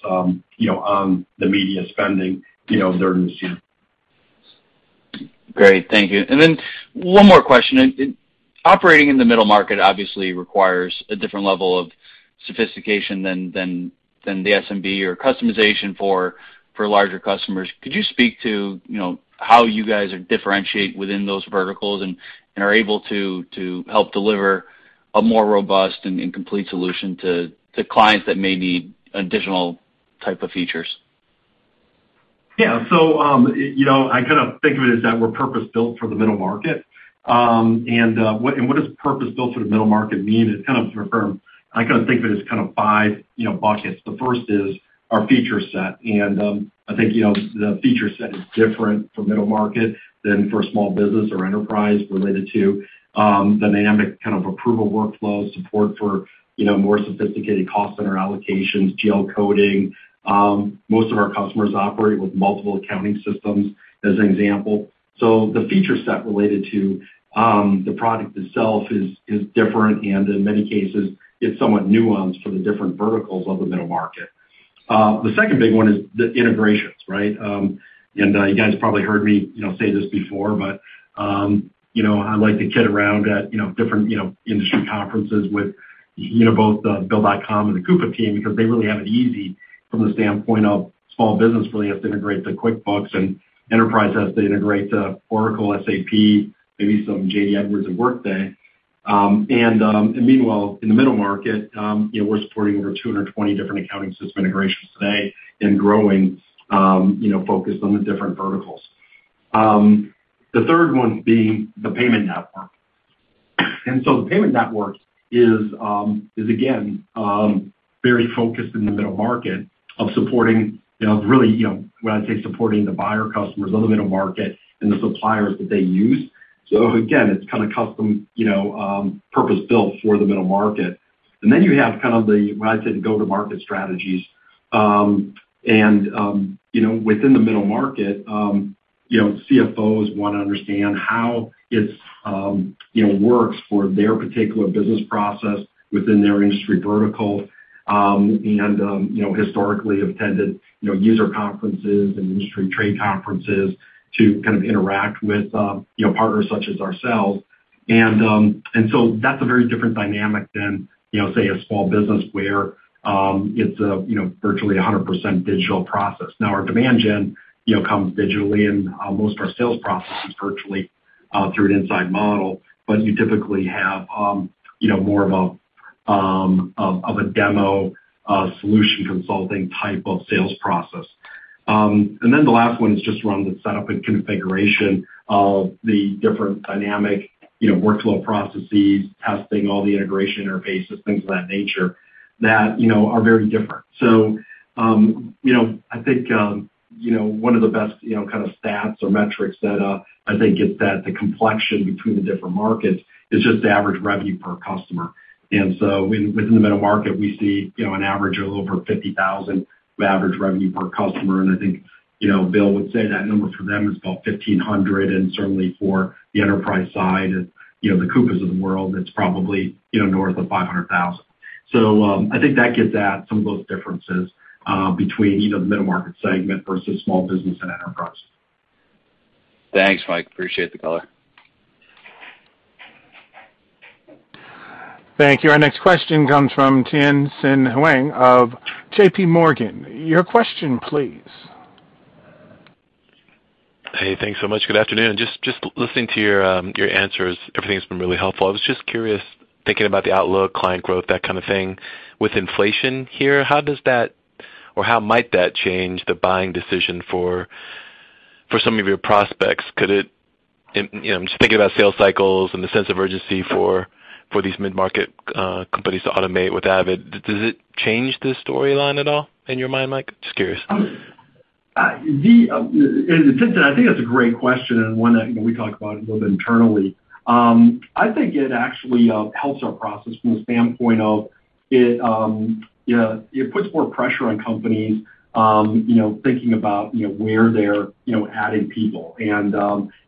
you know, on the media spending, you know, during this year. Great. Thank you. Then one more question. Operating in the middle market obviously requires a different level of sophistication than the SMB or customization for larger customers. Could you speak to, you know, how you guys are differentiate within those verticals and are able to help deliver a more robust and complete solution to clients that may need additional type of features? Yeah. You know, I kind of think of it as that we're purpose-built for the middle market. What does purpose-built for the middle market mean? It's kind of I kind of think of it as kind of five, you know, buckets. The first is our feature set. I think, you know, the feature set is different for middle market than for small business or enterprise related to dynamic kind of approval workflows, support for, you know, more sophisticated cost center allocations, GL coding. Most of our customers operate with multiple accounting systems, as an example. The feature set related to the product itself is different, and in many cases, it's somewhat nuanced for the different verticals of the middle market. The second big one is the integrations, right? You guys have probably heard me, you know, say this before, but you know, I like to kid around at you know different you know industry conferences with you know both the Bill.com and the Coupa team because they really have it easy from the standpoint of small business really has to integrate to QuickBooks and enterprise has to integrate to Oracle, SAP, maybe some JD Edwards and Workday. Meanwhile, in the middle market, you know, we're supporting over 220 different accounting system integrations today and growing, you know, focused on the different verticals. The third one being the payment network. The payment network is again very focused in the middle market of supporting, you know, really, you know, when I say supporting the buyer customers of the middle market and the suppliers that they use. Again, it's kinda custom, you know, purpose-built for the middle market. You have kind of the, when I said go-to-market strategies. You know, within the middle market, you know, CFOs wanna understand how it's, you know, works for their particular business process within their industry vertical, and, you know, historically have attended, you know, user conferences and industry trade conferences to kind of interact with, you know, partners such as ourselves That's a very different dynamic than, you know, say, a small business where it's, you know, virtually 100% digital process. Now, our demand gen, you know, comes digitally and most of our sales process is virtually through an inside model. But you typically have, you know, more of a of a demo solution consulting type of sales process. Then the last one is just around the setup and configuration of the different dynamic, you know, workflow processes, testing all the integration interfaces, things of that nature that, you know, are very different. You know, I think, you know, one of the best, you know, kind of stats or metrics that I think is that the complexion between the different markets is just the average revenue per customer. Within the middle market, we see, you know, an average of a little over $50,000 of average revenue per customer. I think, you know, Bill would say that number for them is about $1,500, and certainly for the enterprise side is, you know, the Coupa of the world, it's probably, you know, north of $500,000. I think that gets at some of those differences between, you know, the middle market segment versus small business and enterprise. Thanks, Mike. Appreciate the color. Thank you. Our next question comes from Tien-tsin Huang of JPMorgan. Your question, please. Hey. Thanks so much. Good afternoon. Just listening to your answers, everything's been really helpful. I was just curious, thinking about the outlook, client growth, that kind of thing. With inflation here, how does that or how might that change the buying decision for some of your prospects? You know, I'm just thinking about sales cycles and the sense of urgency for these mid-market companies to automate with Avid. Does it change the storyline at all in your mind, Mike? Just curious. Tien-tsin, I think that's a great question and one that, you know, we talk about a little bit internally. I think it actually helps our process from the standpoint of it puts more pressure on companies, you know, thinking about, you know, where they're, you know, adding people.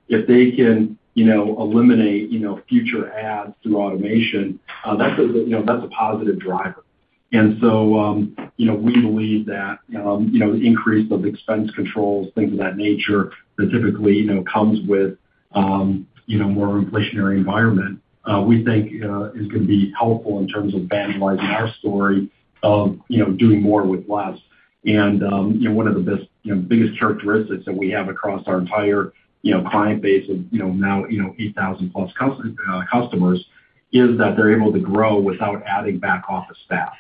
If they can, you know, eliminate, you know, future adds through automation, that's a, you know, that's a positive driver. You know, we believe that, you know, the increase of expense controls, things of that nature, that typically, you know, comes with, you know, a more inflationary environment, we think, is gonna be helpful in terms of evangelizing our story of, you know, doing more with less. You know, one of the best, you know, biggest characteristics that we have across our entire, you know, client base of, you know, now, you know, 8,000+ customers, is that they're able to grow without adding back office staff.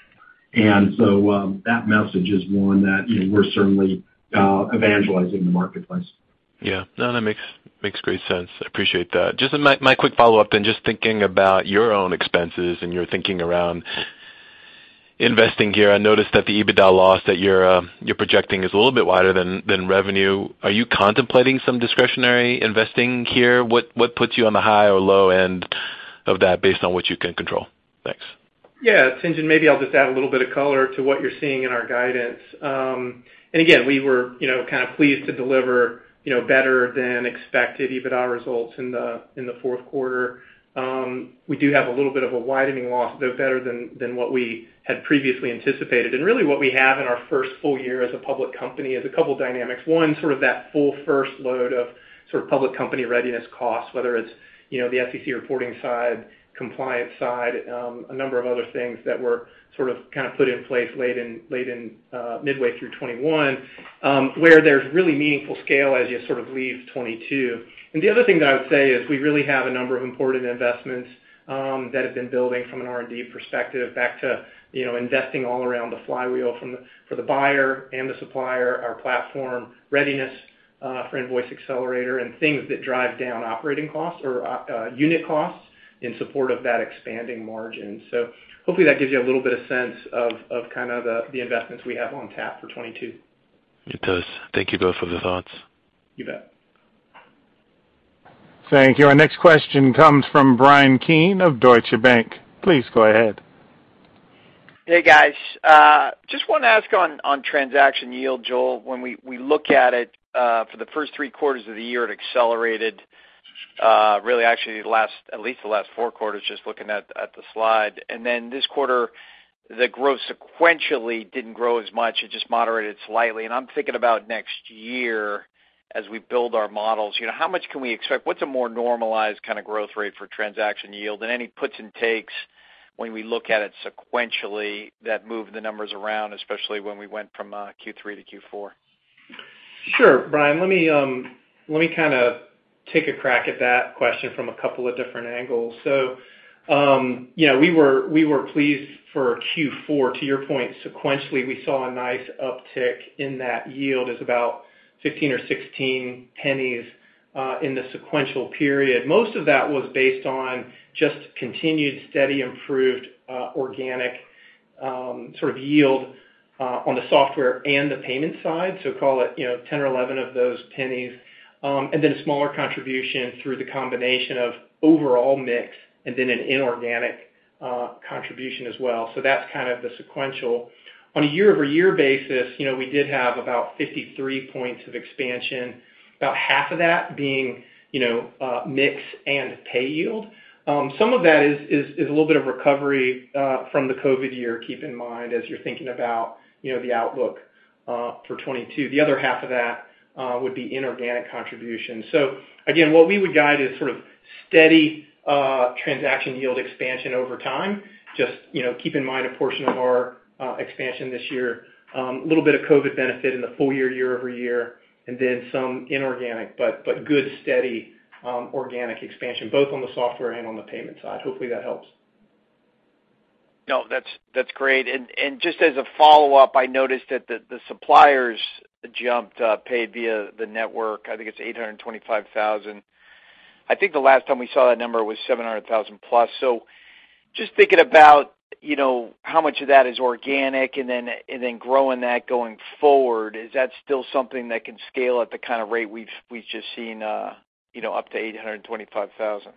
that message is one that, you know, we're certainly evangelizing in the marketplace. Yeah. No, that makes great sense. I appreciate that. Just my quick follow-up then, just thinking about your own expenses and your thinking around investing here, I noticed that the EBITDA loss that you're projecting is a little bit wider than revenue. Are you contemplating some discretionary investing here? What puts you on the high or low end of that based on what you can control? Thanks. Yeah. Tien-tsin, maybe I'll just add a little bit of color to what you're seeing in our guidance. We were, you know, kind of pleased to deliver, you know, better than expected EBITDA results in the fourth quarter. We do have a little bit of a widening loss, though better than what we had previously anticipated. Really what we have in our first full year as a public company is a couple dynamics. One, sort of that full first load of sort of public company readiness costs, whether it's, you know, the SEC reporting side, compliance side, a number of other things that were sort of, kind of put in place midway through 2021, where there's really meaningful scale as you sort of leave 2022. The other thing that I would say is we really have a number of important investments that have been building from an R&D perspective back to, you know, investing all around the flywheel from the, for the buyer and the supplier, our platform readiness for Invoice Accelerator and things that drive down operating costs or unit costs in support of that expanding margin. Hopefully that gives you a little bit of sense of kind of the investments we have on tap for 2022. It does. Thank you both for the thoughts. You bet. Thank you. Our next question comes from Bryan Keane of Deutsche Bank. Please go ahead. Hey, guys. Just wanna ask on transaction yield, Joel. When we look at it for the first three quarters of the year, it accelerated really actually at least the last four quarters, just looking at the slide. Then this quarter, the growth sequentially didn't grow as much. It just moderated slightly. I'm thinking about next year as we build our models. You know, how much can we expect? What's a more normalized kinda growth rate for transaction yield? Any puts and takes when we look at it sequentially that move the numbers around, especially when we went from Q3 to Q4? Sure, Bryan. Let me kinda take a crack at that question from a couple of different angles. You know, we were pleased for Q4. To your point, sequentially, we saw a nice uptick in that yield. It's about 15 pennies or 16 pennies in the sequential period. Most of that was based on just continued steady, improved, organic sort of yield on the software and the payment side. Call it, you know, 10 pennies or 11 of those pennies, and then a smaller contribution through the combination of overall mix and then an inorganic contribution as well. That's kind of the sequential. On a year-over-year basis, you know, we did have about 53 points of expansion, about half of that being, you know, mix and pay yield. Some of that is a little bit of recovery from the COVID year. Keep in mind, as you're thinking about, you know, the outlook for 2022. The other half of that would be inorganic contribution. Again, what we would guide is sort of steady transaction yield expansion over time. Just, you know, keep in mind a portion of our expansion this year, a little bit of COVID benefit in the full year-over-year, and then some inorganic, but good, steady organic expansion, both on the software and on the payment side. Hopefully that helps. No, that's great. Just as a follow-up, I noticed that the suppliers paid via the network jumped, I think it's 825,000. I think the last time we saw that number was 700,000+. Just thinking about, you know, how much of that is organic and then growing that going forward, is that still something that can scale at the kinda rate we've just seen, you know, up to 825,000?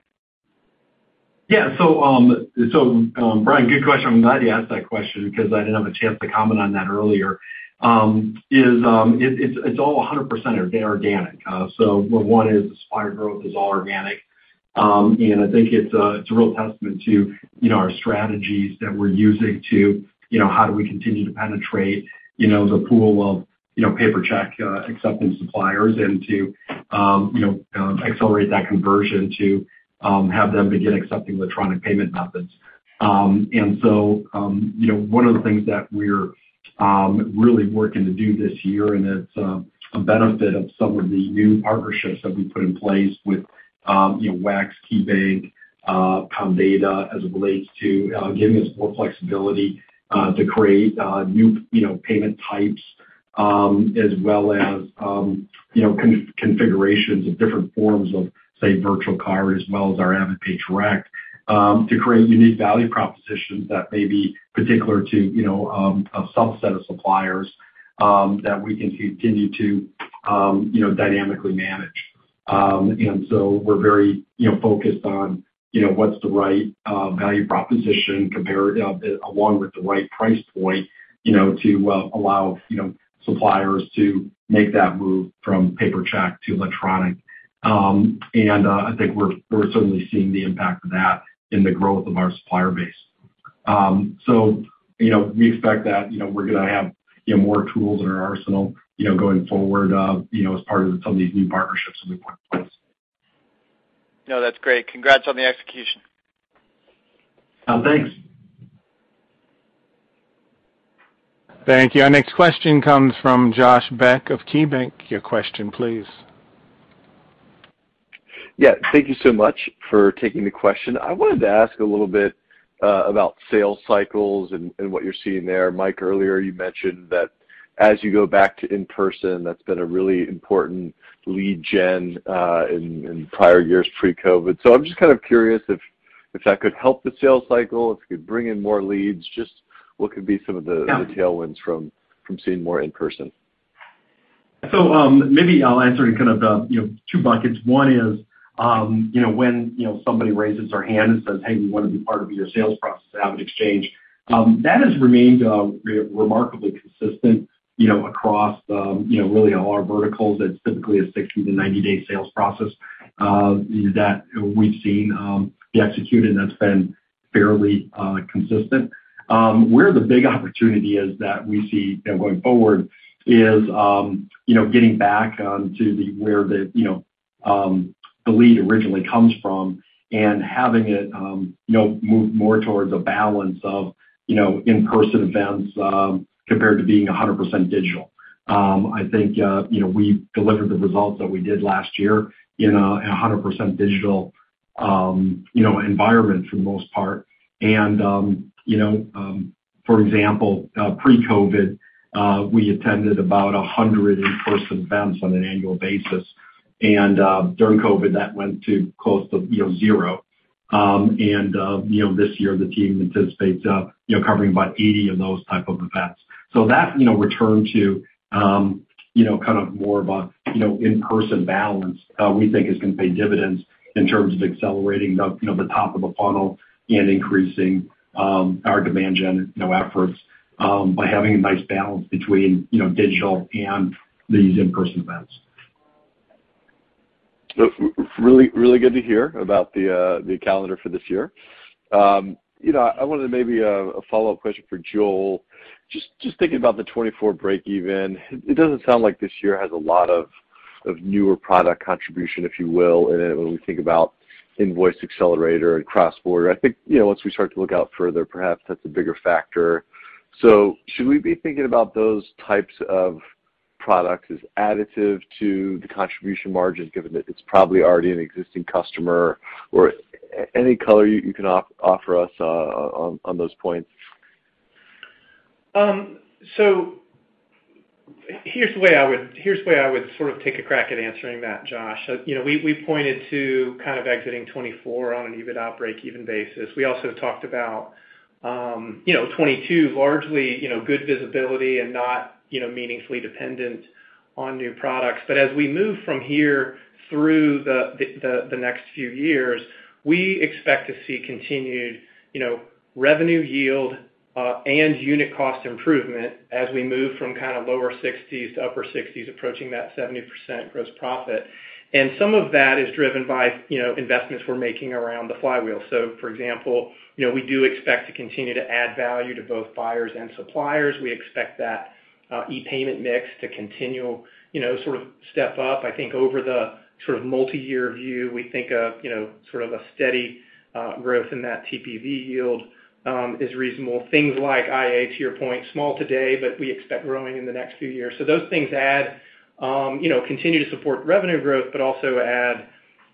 Bryan, good question. I'm glad you asked that question because I didn't have a chance to comment on that earlier. It's all 100% organic. One is supplier growth is all organic. I think it's a real testament to our strategies that we're using to how do we continue to penetrate the pool of paper check acceptance suppliers and to accelerate that conversion to have them begin accepting electronic payment methods. One of the things that we're really working to do this year, and it's a benefit of some of the new partnerships that we put in place with, you know, WEX, KeyBanc, Comdata as it relates to giving us more flexibility to create new, you know, payment types, as well as, you know, configurations of different forms of, say, virtual card as well as our AvidPay Direct, to create unique value propositions that may be particular to, you know, a subset of suppliers, that we can continue to, you know, dynamically manage. We're very, you know, focused on, you know, what's the right value proposition compared along with the right price point, you know, to allow, you know, suppliers to make that move from paper check to electronic. I think we're certainly seeing the impact of that in the growth of our supplier base. You know, we expect that, you know, we're gonna have, you know, more tools in our arsenal, you know, going forward, you know, as part of some of these new partnerships that we've put in place. No, that's great. Congrats on the execution. Thanks. Thank you. Our next question comes from Josh Beck of KeyBanc. Your question, please. Yeah. Thank you so much for taking the question. I wanted to ask a little bit about sales cycles and what you're seeing there. Mike, earlier you mentioned that as you go back to in-person, that's been a really important lead gen in prior years pre-COVID. I'm just kind of curious if that could help the sales cycle, if it could bring in more leads, just what could be some of the. Yeah. The tailwinds from seeing more in person? Maybe I'll answer in kind of the, you know, two buckets. One is, you know, when, you know, somebody raises their hand and says, Hey, we wanna be part of your sales process at AvidXchange, that has remained remarkably consistent, you know, across, you know, really all our verticals. It's typically a 60 day-90 day sales process that we've seen get executed and that's been fairly consistent. Where the big opportunity is that we see, you know, going forward is, you know, getting back to where the lead originally comes from and having it, you know, move more towards a balance of, you know, in-person events, compared to being 100% digital. I think, you know, we delivered the results that we did last year in a 100% digital, you know, environment for the most part. For example, pre-COVID, we attended about 100 in-person events on an annual basis, and during COVID, that went to close to, you know, zero. This year the team anticipates, you know, covering about 80 of those type of events. That, you know, return to, you know, kind of more of a, you know, in-person balance, we think is gonna pay dividends in terms of accelerating the, you know, the top of the funnel and increasing, our demand gen, you know, efforts, by having a nice balance between, you know, digital and these in-person events. Really, really good to hear about the calendar for this year. You know, I wanted to maybe a follow-up question for Joel. Just thinking about the 2024 breakeven, it doesn't sound like this year has a lot of newer product contribution, if you will, in it when we think about Invoice Accelerator and cross-border. I think, you know, once we start to look out further, perhaps that's a bigger factor. Should we be thinking about those types of products as additive to the contribution margin, given that it's probably already an existing customer, or any color you can offer us on those points? Here's the way I would sort of take a crack at answering that, Josh. You know, we pointed to kind of exiting 2024 on an EBITDA breakeven basis. We also talked about, you know, 2022, largely, you know, good visibility and not, you know, meaningfully dependent on new products. As we move from here through the next few years, we expect to see continued, you know, revenue yield and unit cost improvement as we move from kinda lower 60s to upper 60s, approaching that 70% gross profit. Some of that is driven by, you know, investments we're making around the flywheel. For example, you know, we do expect to continue to add value to both buyers and suppliers. We expect that e-payment mix to continue, you know, sort of step up. I think over the sort of multiyear view, we think of, you know, sort of a steady growth in that TPV yield is reasonable. Things like IA, to your point, small today, but we expect growing in the next few years. Those things add, you know, continue to support revenue growth, but also add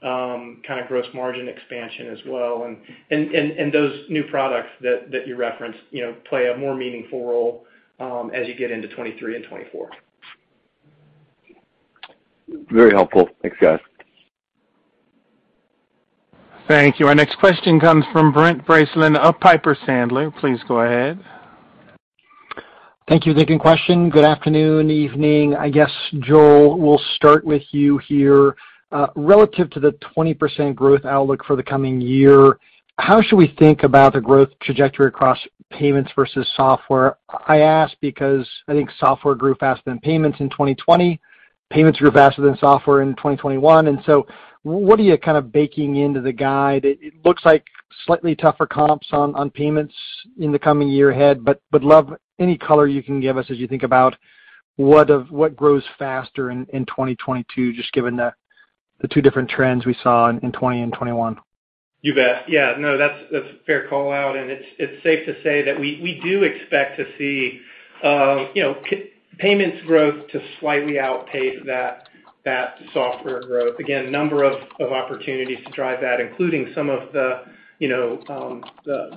kinda gross margin expansion as well. Those new products that you referenced, you know, play a more meaningful role as you get into 2023 and 2024. Very helpful. Thanks, guys. Thank you. Our next question comes from Brent Bracelin of Piper Sandler. Please go ahead. Thank you for the question. Good afternoon, everyone. I guess, Joel, we'll start with you here. Relative to the 20% growth outlook for the coming year, how should we think about the growth trajectory across payments versus software? I ask because I think software grew faster than payments in 2020. Payments grew faster than software in 2021. What are you kind of baking into the guide? It looks like slightly tougher comps on payments in the coming year ahead, but would love any color you can give us as you think about what grows faster in 2022, just given the two different trends we saw in 2020 and 2021. You bet. Yeah, no, that's a fair call-out, and it's safe to say that we do expect to see, you know, payments growth to slightly outpace that software growth. Again, a number of opportunities to drive that, including some of the, you know,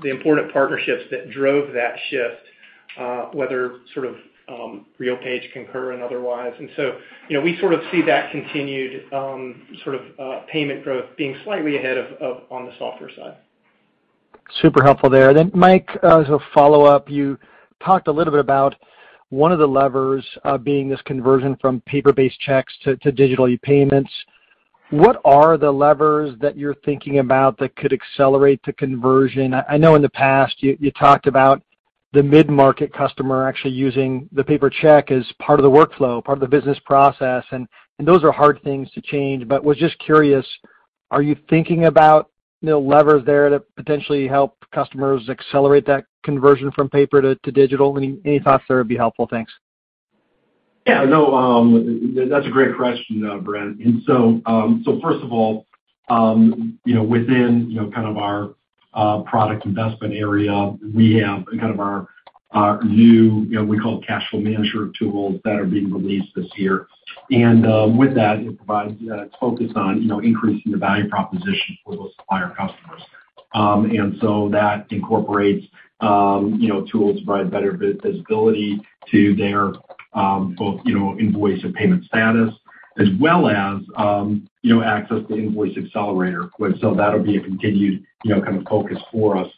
the important partnerships that drove that shift, whether sort of RealPage, Concur and otherwise. You know, we sort of see that continued sort of payment growth being slightly ahead of on the software side. Super helpful there. Mike, as a follow-up, you talked a little bit about one of the levers being this conversion from paper-based checks to digital ePayments. What are the levers that you're thinking about that could accelerate the conversion? I know in the past you talked about the mid-market customer actually using the paper check as part of the workflow, part of the business process, and those are hard things to change. Was just curious, are you thinking about, you know, levers there to potentially help customers accelerate that conversion from paper to digital? Any thoughts there would be helpful. Thanks. Yeah, no, that's a great question, Brent. First of all, you know, within, you know, kind of our product investment area, we have kind of our new, you know, we call it cash flow management tools that are being released this year. With that, it provides a focus on, you know, increasing the value proposition for those supplier customers. That incorporates, you know, tools to provide better visibility to their, both, you know, invoice and payment status, as well as, you know, access to Invoice Accelerator. That'll be a continued, you know, kind of focus for us.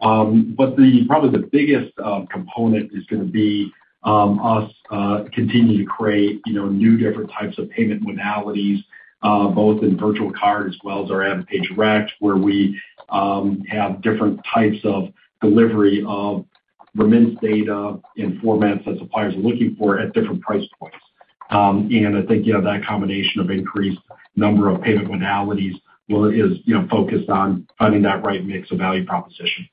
Probably the biggest component is gonna be us continuing to create, you know, new different types of payment modalities, both in virtual card as well as our AvidPay Direct, where we have different types of delivery of remittance data in formats that suppliers are looking for at different price points. I think, you know, that combination of increased number of payment modalities is focused on finding that right mix of value proposition.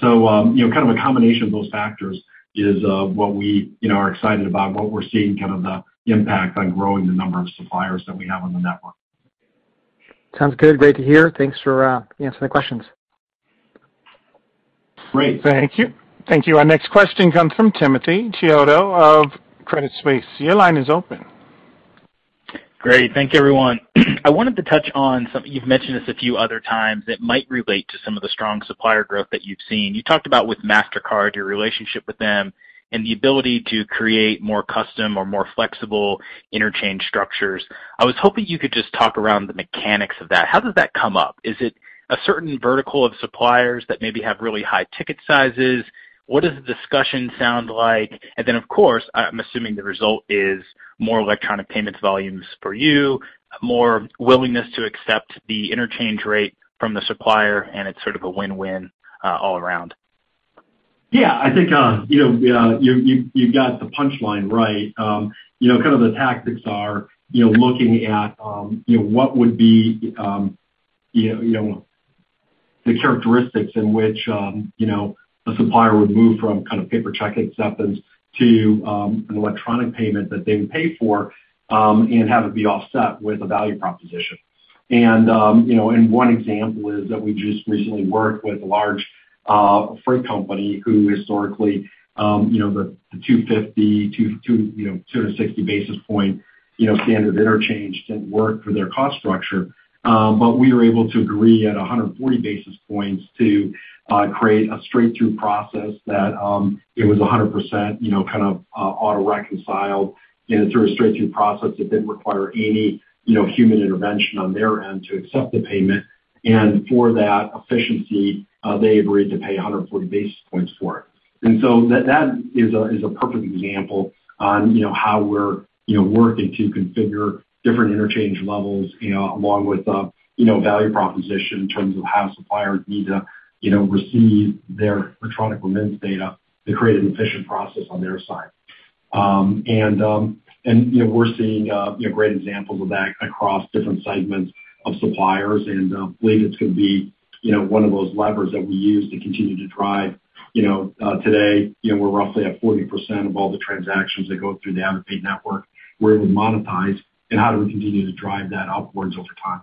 You know, kind of a combination of those factors is what we, you know, are excited about, what we're seeing kind of the impact on growing the number of suppliers that we have on the network. Sounds good. Great to hear. Thanks for answering the questions. Great. Thank you. Thank you. Our next question comes from Timothy Chiodo of Credit Suisse. Your line is open. Great. Thank you, everyone. I wanted to touch on something, you've mentioned this a few other times, that might relate to some of the strong supplier growth that you've seen. You talked about with Mastercard, your relationship with them, and the ability to create more custom or more flexible interchange structures. I was hoping you could just talk around the mechanics of that. How does that come up? Is it a certain vertical of suppliers that maybe have really high ticket sizes? What does the discussion sound like? And then, of course, I'm assuming the result is more electronic payments volumes for you, more willingness to accept the interchange rate from the supplier, and it's sort of a win-win, all around. Yeah, I think, you know, you got the punch line right. You know, kind of the tactics are, you know, looking at, you know, what would be, you know, you know, the characteristics in which, you know, a supplier would move from kind of paper check acceptance to, an electronic payment that they would pay for, and have it be offset with a value proposition. One example is that we just recently worked with a large freight company who historically, you know, the 250 basis point-260 basis point standard interchange didn't work for their cost structure. We were able to agree at 140 basis points to create a straight-through process that it was 100%, you know, kind of auto reconciled, and it's a straight-through process that didn't require any, you know, human intervention on their end to accept the payment. For that efficiency, they agreed to pay 140 basis points for it. That is a perfect example on, you know, how we're, you know, working to configure different interchange levels, you know, along with, you know, value proposition in terms of how suppliers need to, you know, receive their electronic remittance data to create an efficient process on their side. We're seeing, you know, great examples of that across different segments of suppliers. I believe it's gonna be, you know, one of those levers that we use to continue to drive, you know, today, you know, we're roughly at 40% of all the transactions that go through the AvidPay Network, where we monetize and how do we continue to drive that upwards over time.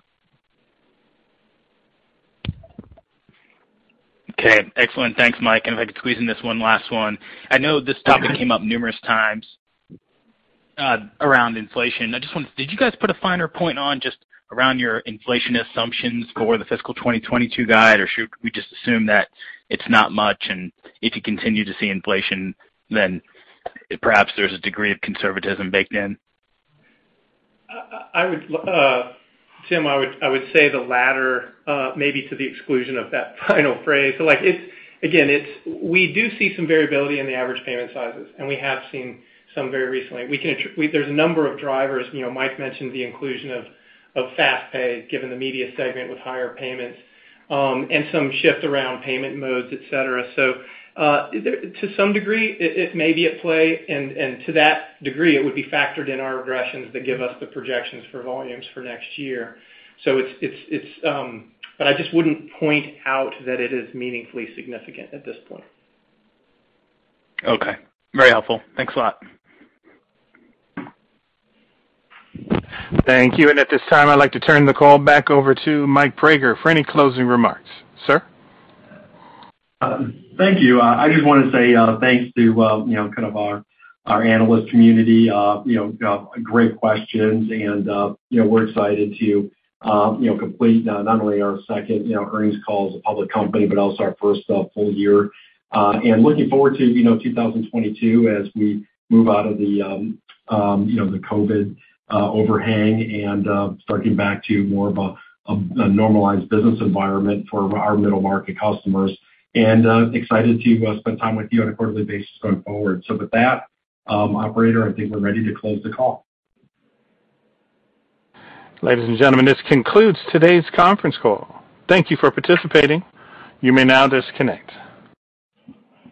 Okay, excellent. Thanks, Mike. If I could squeeze in this one last one. I know this topic came up numerous times around inflation. I just wonder, did you guys put a finer point on just around your inflation assumptions for the fiscal 2022 guide, or should we just assume that it's not much, and if you continue to see inflation, then perhaps there's a degree of conservatism baked in? Tim, I would say the latter, maybe to the exclusion of that final phrase. Again, we do see some variability in the average payment sizes, and we have seen some very recently. There's a number of drivers. You know, Mike mentioned the inclusion of FastPay, given the media segment with higher payments, and some shift around payment modes, etc. To some degree, it may be at play, and to that degree, it would be factored in our regressions that give us the projections for volumes for next year. I just wouldn't point out that it is meaningfully significant at this point. Okay, very helpful. Thanks a lot. Thank you. At this time, I'd like to turn the call back over to Mike Praeger for any closing remarks. Sir? Thank you. I just wanna say thanks to you know kind of our analyst community. You know great questions and you know we're excited to you know complete not only our second you know earnings call as a public company but also our first full year. Looking forward to you know 2022 as we move out of the you know the COVID overhang and start getting back to more of a normalized business environment for our middle-market customers. Excited to spend time with you on a quarterly basis going forward. With that operator I think we're ready to close the call. Ladies and gentlemen, this concludes today's conference call. Thank you for participating. You may now disconnect.